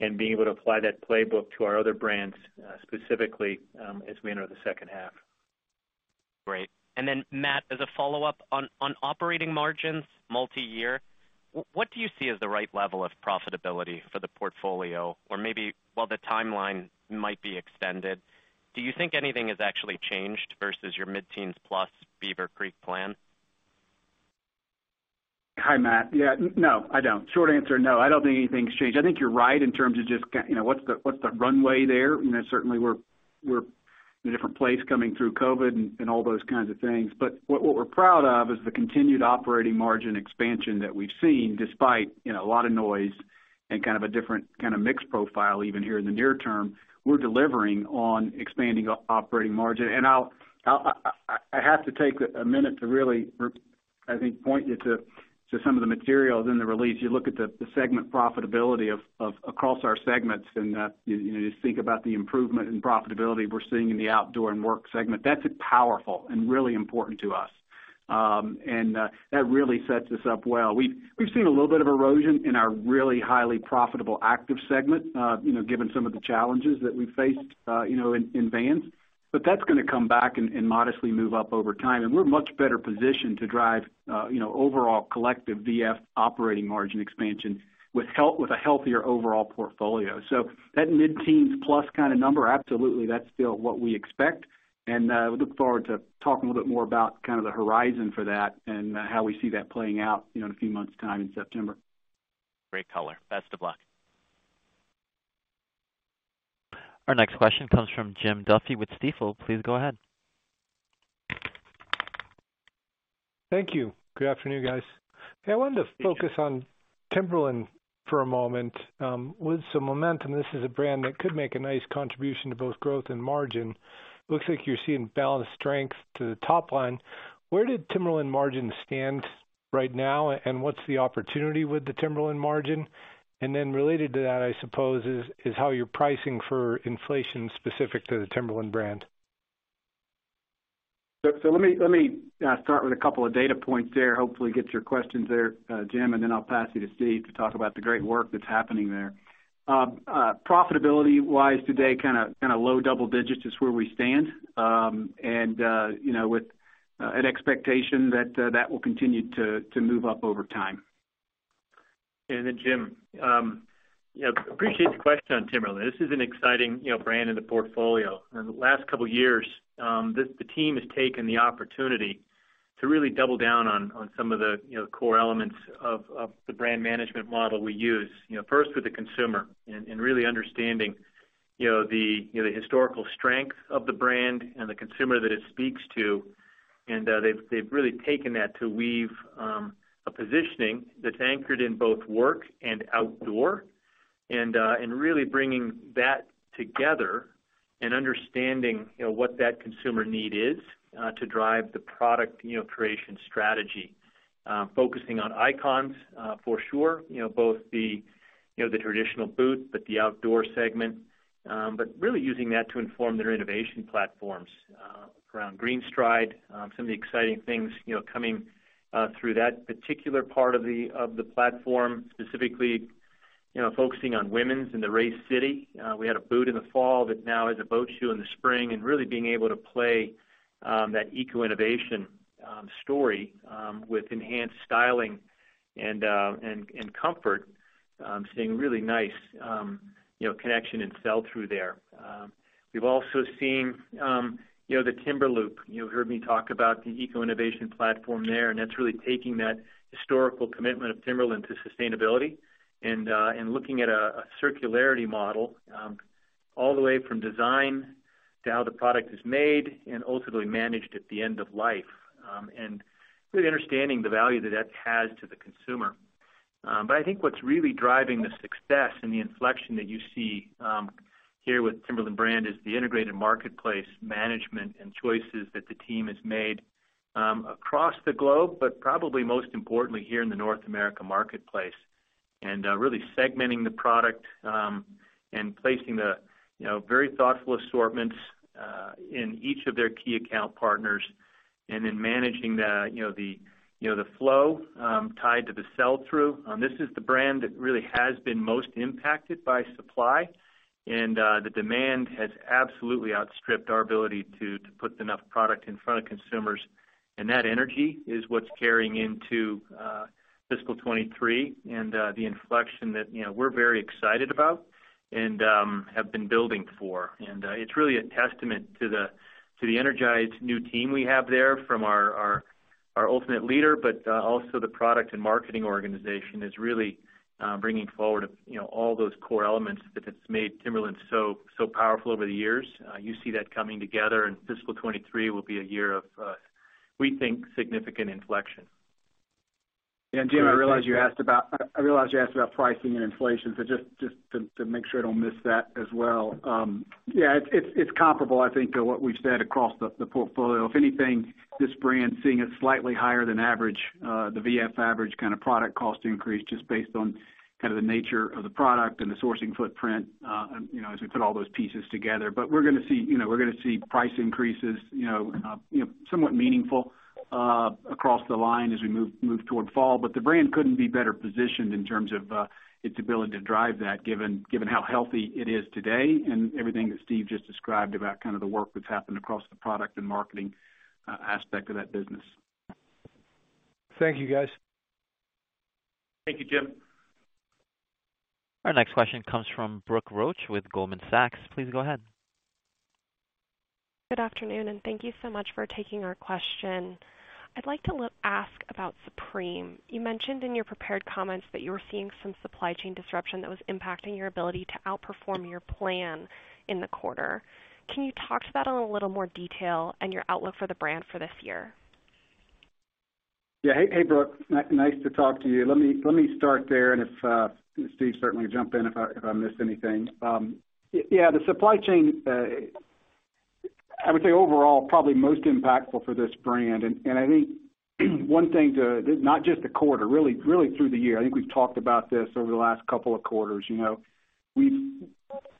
and being able to apply that playbook to our other brands, specifically, as we enter the second half. Great. Matt, as a follow-up on operating margins multi-year, what do you see as the right level of profitability for the portfolio? Or maybe while the timeline might be extended, do you think anything has actually changed versus your mid-teens plus Beaver Creek plan? Hi, Matt. Yeah, no, I don't. Short answer, no, I don't think anything's changed. I think you're right in terms of just you know, what's the runway there. You know, certainly we're in a different place coming through COVID and all those kinds of things. But what we're proud of is the continued operating margin expansion that we've seen despite, you know, a lot of noise and kind of a different kind of mix profile even here in the near term, we're delivering on expanding operating margin. I'll, I have to take a minute to really I think, point you to some of the materials in the release. You look at the segment profitability across our segments, and you just think about the improvement in profitability we're seeing in the outdoor and work segment. That's powerful and really important to us. That really sets us up well. We've seen a little bit of erosion in our really highly profitable active segment, you know, given some of the challenges that we faced, you know, in Vans. But that's gonna come back and modestly move up over time. We're much better positioned to drive, you know, overall collective VF operating margin expansion with a healthier overall portfolio. That mid-teens plus kind of number, absolutely. That's still what we expect, and we look forward to talking a little bit more about kind of the horizon for that and how we see that playing out, you know, in a few months' time in September. Great color. Best of luck. Our next question comes from Jim Duffy with Stifel. Please go ahead. Thank you. Good afternoon, guys. I wanted to focus on Timberland for a moment. With some momentum, this is a brand that could make a nice contribution to both growth and margin. Looks like you're seeing balanced strength to the top line. Where did Timberland margin stand right now, and what's the opportunity with the Timberland margin? Related to that, I suppose, is how you're pricing for inflation specific to the Timberland brand. Let me start with a couple of data points there. Hopefully that gets your questions there, Jim, and then I'll pass you to Steve to talk about the great work that's happening there. Profitability-wise today, kinda low double digits is where we stand. You know, with an expectation that that will continue to move up over time. Jim, yeah, appreciate the question on Timberland. This is an exciting, you know, brand in the portfolio. In the last couple years, the team has taken the opportunity to really double down on some of the, you know, core elements of the brand management model we use. You know, first with the consumer and really understanding, you know, the historical strength of the brand and the consumer that it speaks to. They've really taken that to weave a positioning that's anchored in both work and outdoor and really bringing that together and understanding, you know, what that consumer need is to drive the product, you know, creation strategy. Focusing on icons, for sure, you know, both the traditional boot, but the outdoor segment. Really using that to inform their innovation platforms around GreenStride, some of the exciting things, you know, coming through that particular part of the platform, specifically, you know, focusing on women's and the Ray City. We had a boot in the fall that now is a boat shoe in the spring, and really being able to play that eco-innovation story with enhanced styling and comfort, seeing really nice, you know, connection and sell-through there. We've also seen, you know, the Timberloop. You heard me talk about the eco-innovation platform there, and that's really taking that historical commitment of Timberland to sustainability and looking at a circularity model all the way from design to how the product is made and ultimately managed at the end of life. Really understanding the value that that has to the consumer. I think what's really driving the success and the inflection that you see here with Timberland brand is the integrated marketplace management and choices that the team has made across the globe, but probably most importantly here in the North American marketplace. Really segmenting the product and placing the, you know, very thoughtful assortments in each of their key account partners and then managing the flow tied to the sell-through. This is the brand that really has been most impacted by supply, and the demand has absolutely outstripped our ability to put enough product in front of consumers. That energy is what's carrying into fiscal 2023 and the inflection that, you know, we're very excited about and have been building for. It's really a testament to the energized new team we have there from our ultimate leader, but also the product and marketing organization is really bringing forward, you know, all those core elements that has made Timberland so powerful over the years. You see that coming together, and fiscal 2023 will be a year of, we think, significant inflection. Jim, I realize you asked about pricing and inflation, so just to make sure I don't miss that as well. Yeah, it's comparable, I think, to what we've said across the portfolio. If anything, this brand seeing a slightly higher than average, the VF averagekind of product cost increase just based on kind of the nature of the product and the sourcing footprint, you know, as we put all those pieces together. We're gonna see, you know, price increases, you know, somewhat meaningful across the line as we move toward fall. The brand couldn't be better positioned in terms of its ability to drive that given how healthy it is today and everything that Steve just described about kind of the work that's happened across the product and marketing aspect of that business. Thank you, guys. Thank you, Jim. Our next question comes from Brooke Roach with Goldman Sachs. Please go ahead. Good afternoon, and thank you so much for taking our question. I'd like to ask about Supreme. You mentioned in your prepared comments that you were seeing some supply chain disruption that was impacting your ability to outperform your plan in the quarter. Can you talk to that in a little more detail and your outlook for the brand for this year? Yeah. Hey, Brooke. Nice to talk to you. Let me start there, and if Steve, certainly jump in if I miss anything. Yeah, the supply chain, I would say overall, probably most impactful for this brand. I think one thing to not just the quarter, really through the year, I think we've talked about this over the last couple of quarters, you know.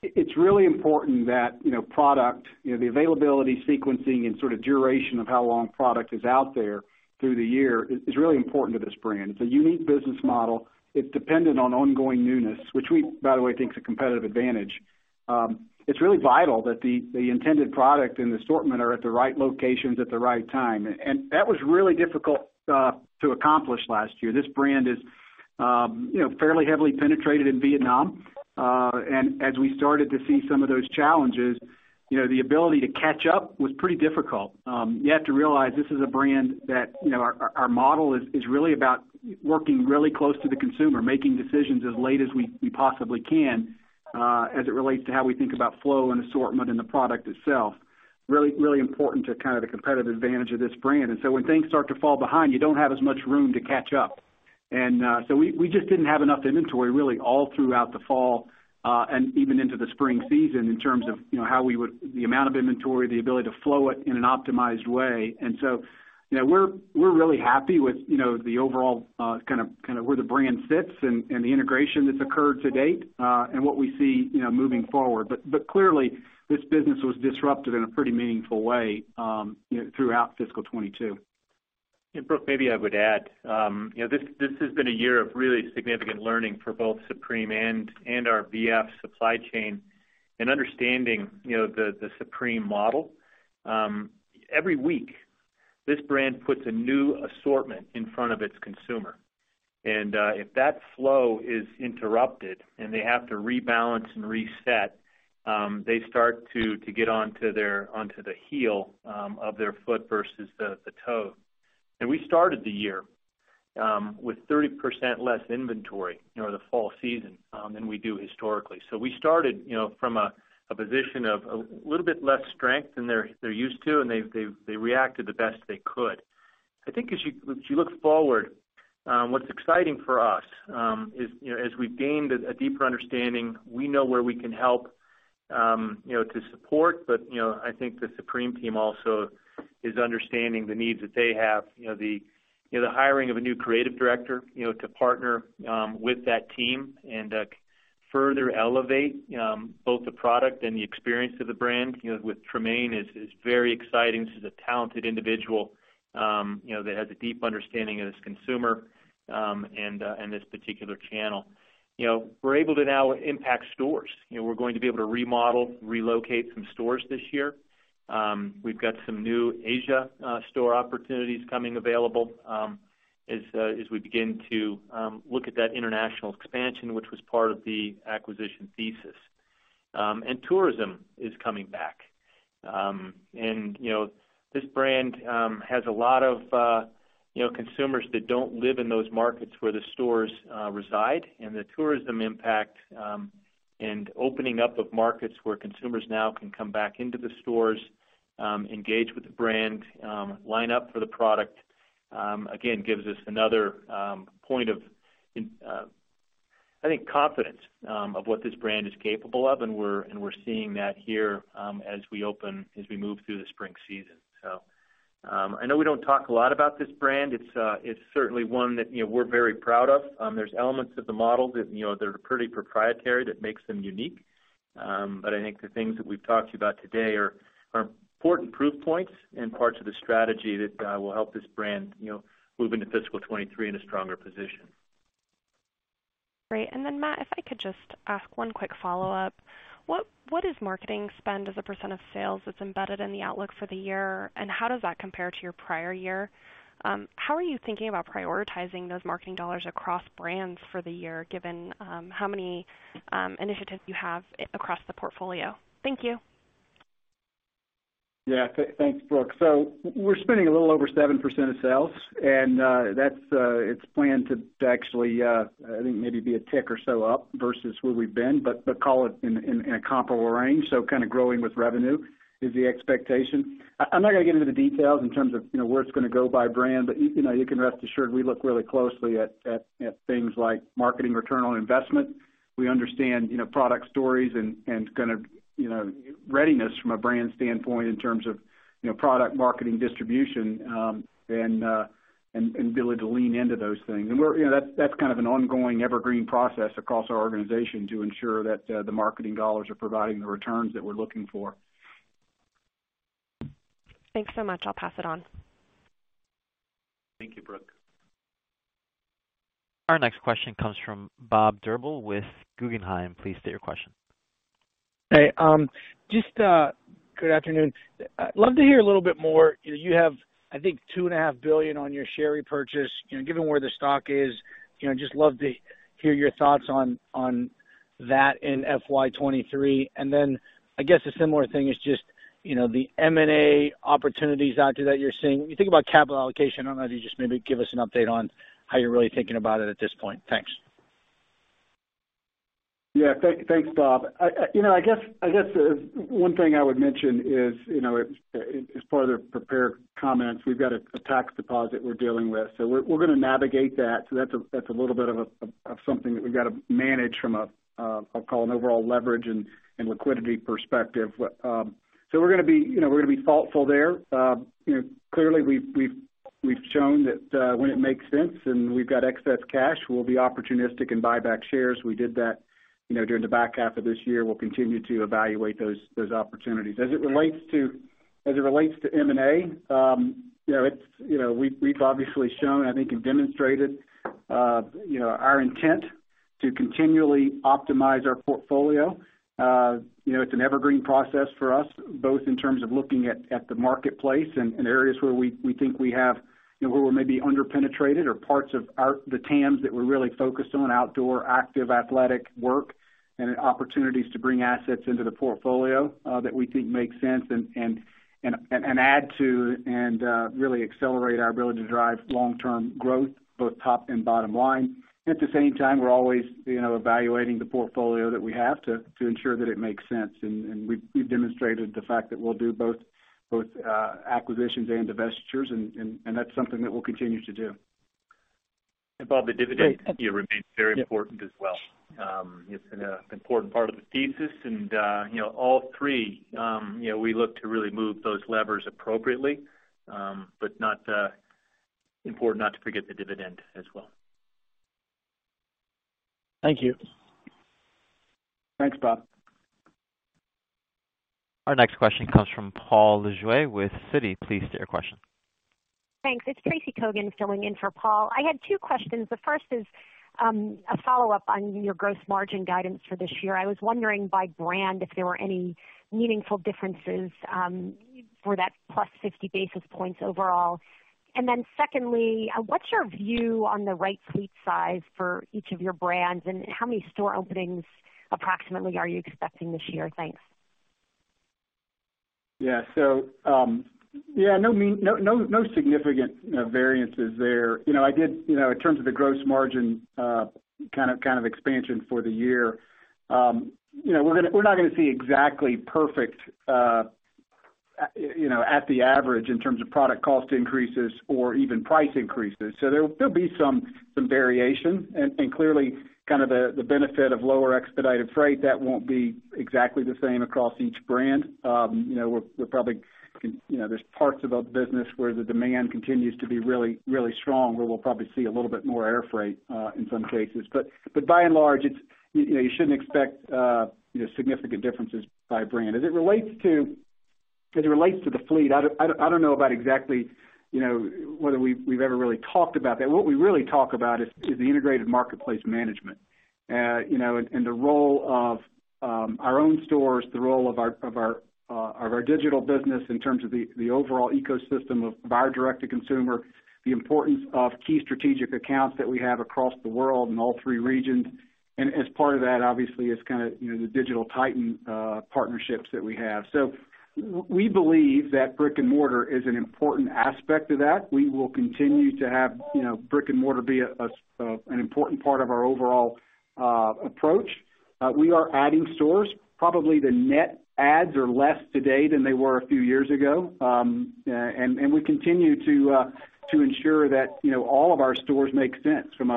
It's really important that, you know, product, you know, the availability, sequencing, and sort of duration of how long product is out there through the year is really important to this brand. It's a unique business model. It's dependent on ongoing newness, which we, by the way, think is a competitive advantage. It's really vital that the intended product and the assortment are at the right locations at the right time. That was really difficult to accomplish last year. This brand is, you know, fairly heavily penetrated in Vietnam. As we started to see some of those challenges, you know, the ability to catch up was pretty difficult. You have to realize this is a brand that, you know, our model is really about working really close to the consumer, making decisions as late as we possibly can, as it relates to how we think about flow and assortment in the product itself. Really important to kind of the competitive advantage of this brand. When things start to fall behind, you don't have as much room to catch up. We just didn't have enough inventory really all throughout the fall, and even into the spring season in terms of, you know, the amount of inventory, the ability to flow it in an optimized way. You know, we're really happy with, you know, the overall, kind of where the brand sits and the integration that's occurred to date, and what we see, you know, moving forward. Clearly, this business was disrupted in a pretty meaningful way, you know, throughout fiscal 2022. Brooke, maybe I would add, you know, this has been a year of really significant learning for both Supreme and our VF supply chain and understanding, you know, the Supreme model. Every week, this brand puts a new assortment in front of its consumer. If that flow is interrupted and they have to rebalance and reset, they start to get onto their heel of their foot versus the toe. We started the year with 30% less inventory, you know, in the fall season than we do historically. We started, you know, from a position of a little bit less strength than they're used to, and they reacted the best they could. I think as you look forward, what's exciting for us is, you know, as we've gained a deeper understanding, we know where we can help, you know, to support. You know, I think the Supreme team also is understanding the needs that they have. You know, the hiring of a new creative director, you know, to partner with that team and further elevate both the product and the experience of the brand, you know, with Tremaine is very exciting. This is a talented individual, you know, that has a deep understanding of this consumer and this particular channel. You know, we're able to now impact stores. You know, we're going to be able to remodel, relocate some stores this year. We've got some new Asian store opportunities becoming available, as we begin to look at that international expansion, which was part of the acquisition thesis. Tourism is coming back. You know, this brand has a lot of, you know, consumers that don't live in those markets where the stores reside. The tourism impact and opening up of markets where consumers now can come back into the stores, engage with the brand, line up for the product, again, gives us another point of, I think, confidence of what this brand is capable of, and we're seeing that here as we move through the spring season. I know we don't talk a lot about this brand. It's certainly one that, you know, we're very proud of. There's elements of the model that, you know, they're pretty proprietary that makes them unique. I think the things that we've talked about today are important proof points and parts of the strategy that will help this brand, you know, move into fiscal 2023 in a stronger position. Great. Then Matt, if I could just ask one quick follow-up. What is marketing spend as a % of sales that's embedded in the outlook for the year, and how does that compare to your prior year? How are you thinking about prioritizing those marketing dollars across brands for the year, given how many initiatives you have across the portfolio? Thank you. Yeah. Thanks, Brooke. We're spending a little over 7% of sales, and that's planned to actually, I think maybe be a tick or so up versus where we've been, but call it in a comparable range. Kind of growing with revenue is the expectation. I'm not gonna get into the details in terms of you know where it's gonna go by brand. You know, you can rest assured we look really closely at things like marketing return on investment. We understand you know product stories and kind of you know readiness from a brand standpoint in terms of you know product marketing distribution and ability to lean into those things. You know, that's kind of an ongoing evergreen process across our organization to ensure that the marketing dollars are providing the returns that we're looking for. Thanks so much. I'll pass it on. Thank you, Brooke. Our next question comes from Bob Drbul with Guggenheim. Please state your question. Hey, just, good afternoon. I'd love to hear a little bit more. You have, I think, $2.5 billion on your share repurchase. You know, given where the stock is, you know, just love to hear your thoughts on that in FY 2023. I guess a similar thing is just, you know, the M&A opportunities out there that you're seeing. When you think about capital allocation, I don't know if you just maybe give us an update on how you're really thinking about it at this point. Thanks. Yeah. Thanks, Bob. You know, I guess one thing I would mention is, you know, as part of the prepared comments, we've got a tax deposit we're dealing with, so we're gonna navigate that. That's a little bit of something that we've got to manage from what I'll call an overall leverage and liquidity perspective. We're gonna be, you know, thoughtful there. You know, clearly we've shown that, when it makes sense and we've got excess cash, we'll be opportunistic and buy back shares. We did that, you know, during the back half of this year. We'll continue to evaluate those opportunities. As it relates to M&A, you know, it's you know, we've obviously shown, I think, and demonstrated, you know, our intent to continually optimize our portfolio. You know, it's an evergreen process for us, both in terms of looking at the marketplace and areas where we think we have, you know, where we're maybe under-penetrated or parts of our the TAMS that we're really focused on outdoor, active, athletic work and opportunities to bring assets into the portfolio, that we think make sense and add to and really accelerate our ability to drive long-term growth, both top and bottom line. At the same time, we're always, you know, evaluating the portfolio that we have to ensure that it makes sense. We've demonstrated the fact that we'll do both acquisitions and divestitures, and that's something that we'll continue to do. Bob, the dividend remains very important as well. It's an important part of the thesis and, you know, all three, you know, we look to really move those levers appropriately, but important not to forget the dividend as well. Thank you. Thanks, Bob. Our next question comes from Paul Lejuez with Citi. Please state your question. Thanks. It's Tracy Kogan filling in for Paul. I had two questions. The first is a follow-up on your gross margin guidance for this year. I was wondering by brand if there were any meaningful differences for that plus 50 basis points overall. And then secondly, what's your view on the right fleet size for each of your brands, and how many store openings approximately are you expecting this year? Thanks. Yeah. No significant variances there. You know, I did, you know, in terms of the gross margin, kind of expansion for the year, you know, we're not gonna see exactly perfect, you know, at the average in terms of product cost increases or even price increases. There'll be some variation and clearly kind of the benefit of lower expedited freight, that won't be exactly the same across each brand. You know, we're probably, you know, there are parts of the business where the demand continues to be really strong, where we'll probably see a little bit more air freight in some cases. By and large, it's, you know, you shouldn't expect, you know, significant differences by brand. As it relates to the fleet, I don't know about exactly, you know, whether we've ever really talked about that. What we really talk about is the integrated marketplace management, you know, and the role of our own stores, the role of our digital business in terms of the overall ecosystem of our direct-to-consumer, the importance of key strategic accounts that we have across the world in all three regions. As part of that, obviously, is kinda the uncertain that we have. We believe that brick and mortar is an important aspect to that. We will continue to have, you know, brick and mortar be an important part of our overall approach. We are adding stores. Probably the net adds are less today than they were a few years ago. We continue to ensure that, you know, all of our stores make sense from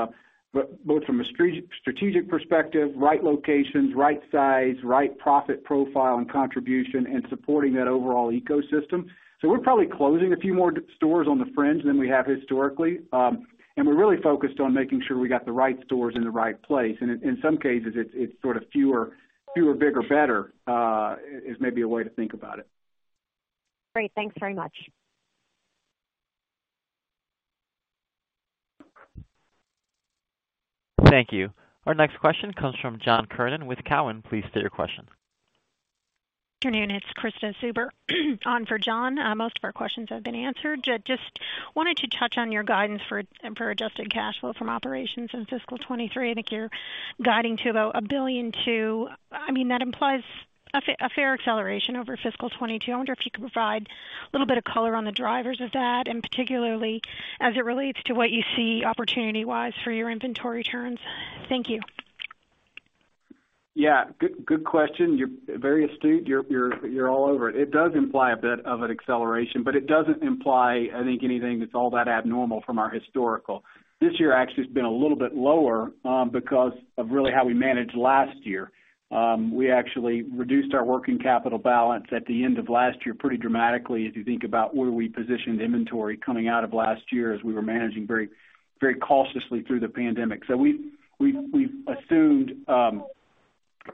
both a strategic perspective, right locations, right size, right profit profile and contribution, and supporting that overall ecosystem. We're probably closing a few more stores on the fringe than we have historically. We're really focused on making sure we got the right stores in the right place. In some cases, it's sort of fewer, bigger, better is maybe a way to think about it. Great. Thanks very much. Thank you. Our next question comes from John Kernan with Cowen. Please state your question. Good afternoon. It's Krista Zuber on for John. Most of our questions have been answered. Just wanted to touch on your guidance for adjusted cash flow from operations in fiscal 2023. I think you're guiding to about $1 billion to. I mean, that implies a fair acceleration over fiscal 2022. I wonder if you could provide a little bit of color on the drivers of that, and particularly as it relates to what you see opportunity-wise for your inventory turns. Thank you. Yeah. Good question. You're very astute. You're all over it. It does imply a bit of an acceleration, but it doesn't imply, I think, anything that's all that abnormal from our historical. This year actually has been a little bit lower, because of really how we managed last year. We actually reduced our working capital balance at the end of last year pretty dramatically, if you think about where we positioned inventory coming out of last year as we were managing very, very cautiously through the pandemic. We've assumed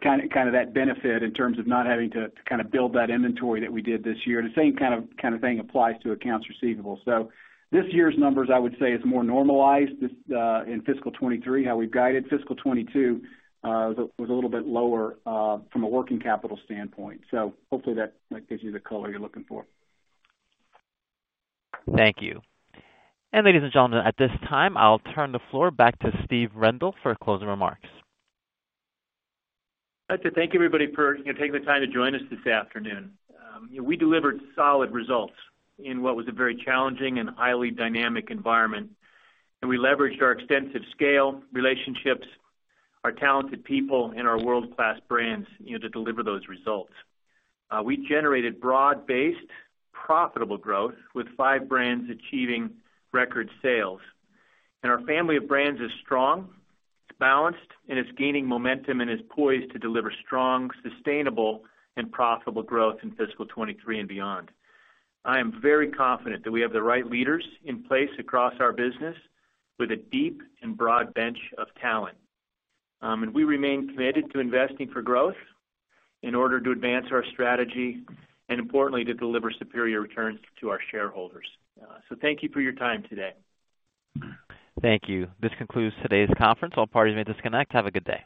kind of that benefit in terms of not having to kinda build that inventory that we did this year. The same kind of thing applies to accounts receivable. This year's numbers, I would say, is more normalized this, in fiscal 2023, how we've guided fiscal 2022, was a little bit lower, from a working capital standpoint. Hopefully that gives you the color you're looking for. Thank you. Ladies and gentlemen, at this time, I'll turn the floor back to Steve Rendle for closing remarks. I'd like to thank everybody for, you know, taking the time to join us this afternoon. We delivered solid results in what was a very challenging and highly dynamic environment, and we leveraged our extensive scale, relationships, our talented people, and our world-class brands, you know, to deliver those results. We generated broad-based, profitable growth with five brands achieving record sales. Our family of brands is strong, it's balanced, and it's gaining momentum and is poised to deliver strong, sustainable, and profitable growth in fiscal 2023 and beyond. I am very confident that we have the right leaders in place across our business with a deep and broad bench of talent. We remain committed to investing for growth in order to advance our strategy and importantly, to deliver superior returns to our shareholders. Thank you for your time today. Thank you. This concludes today's conference. All parties may disconnect. Have a good day.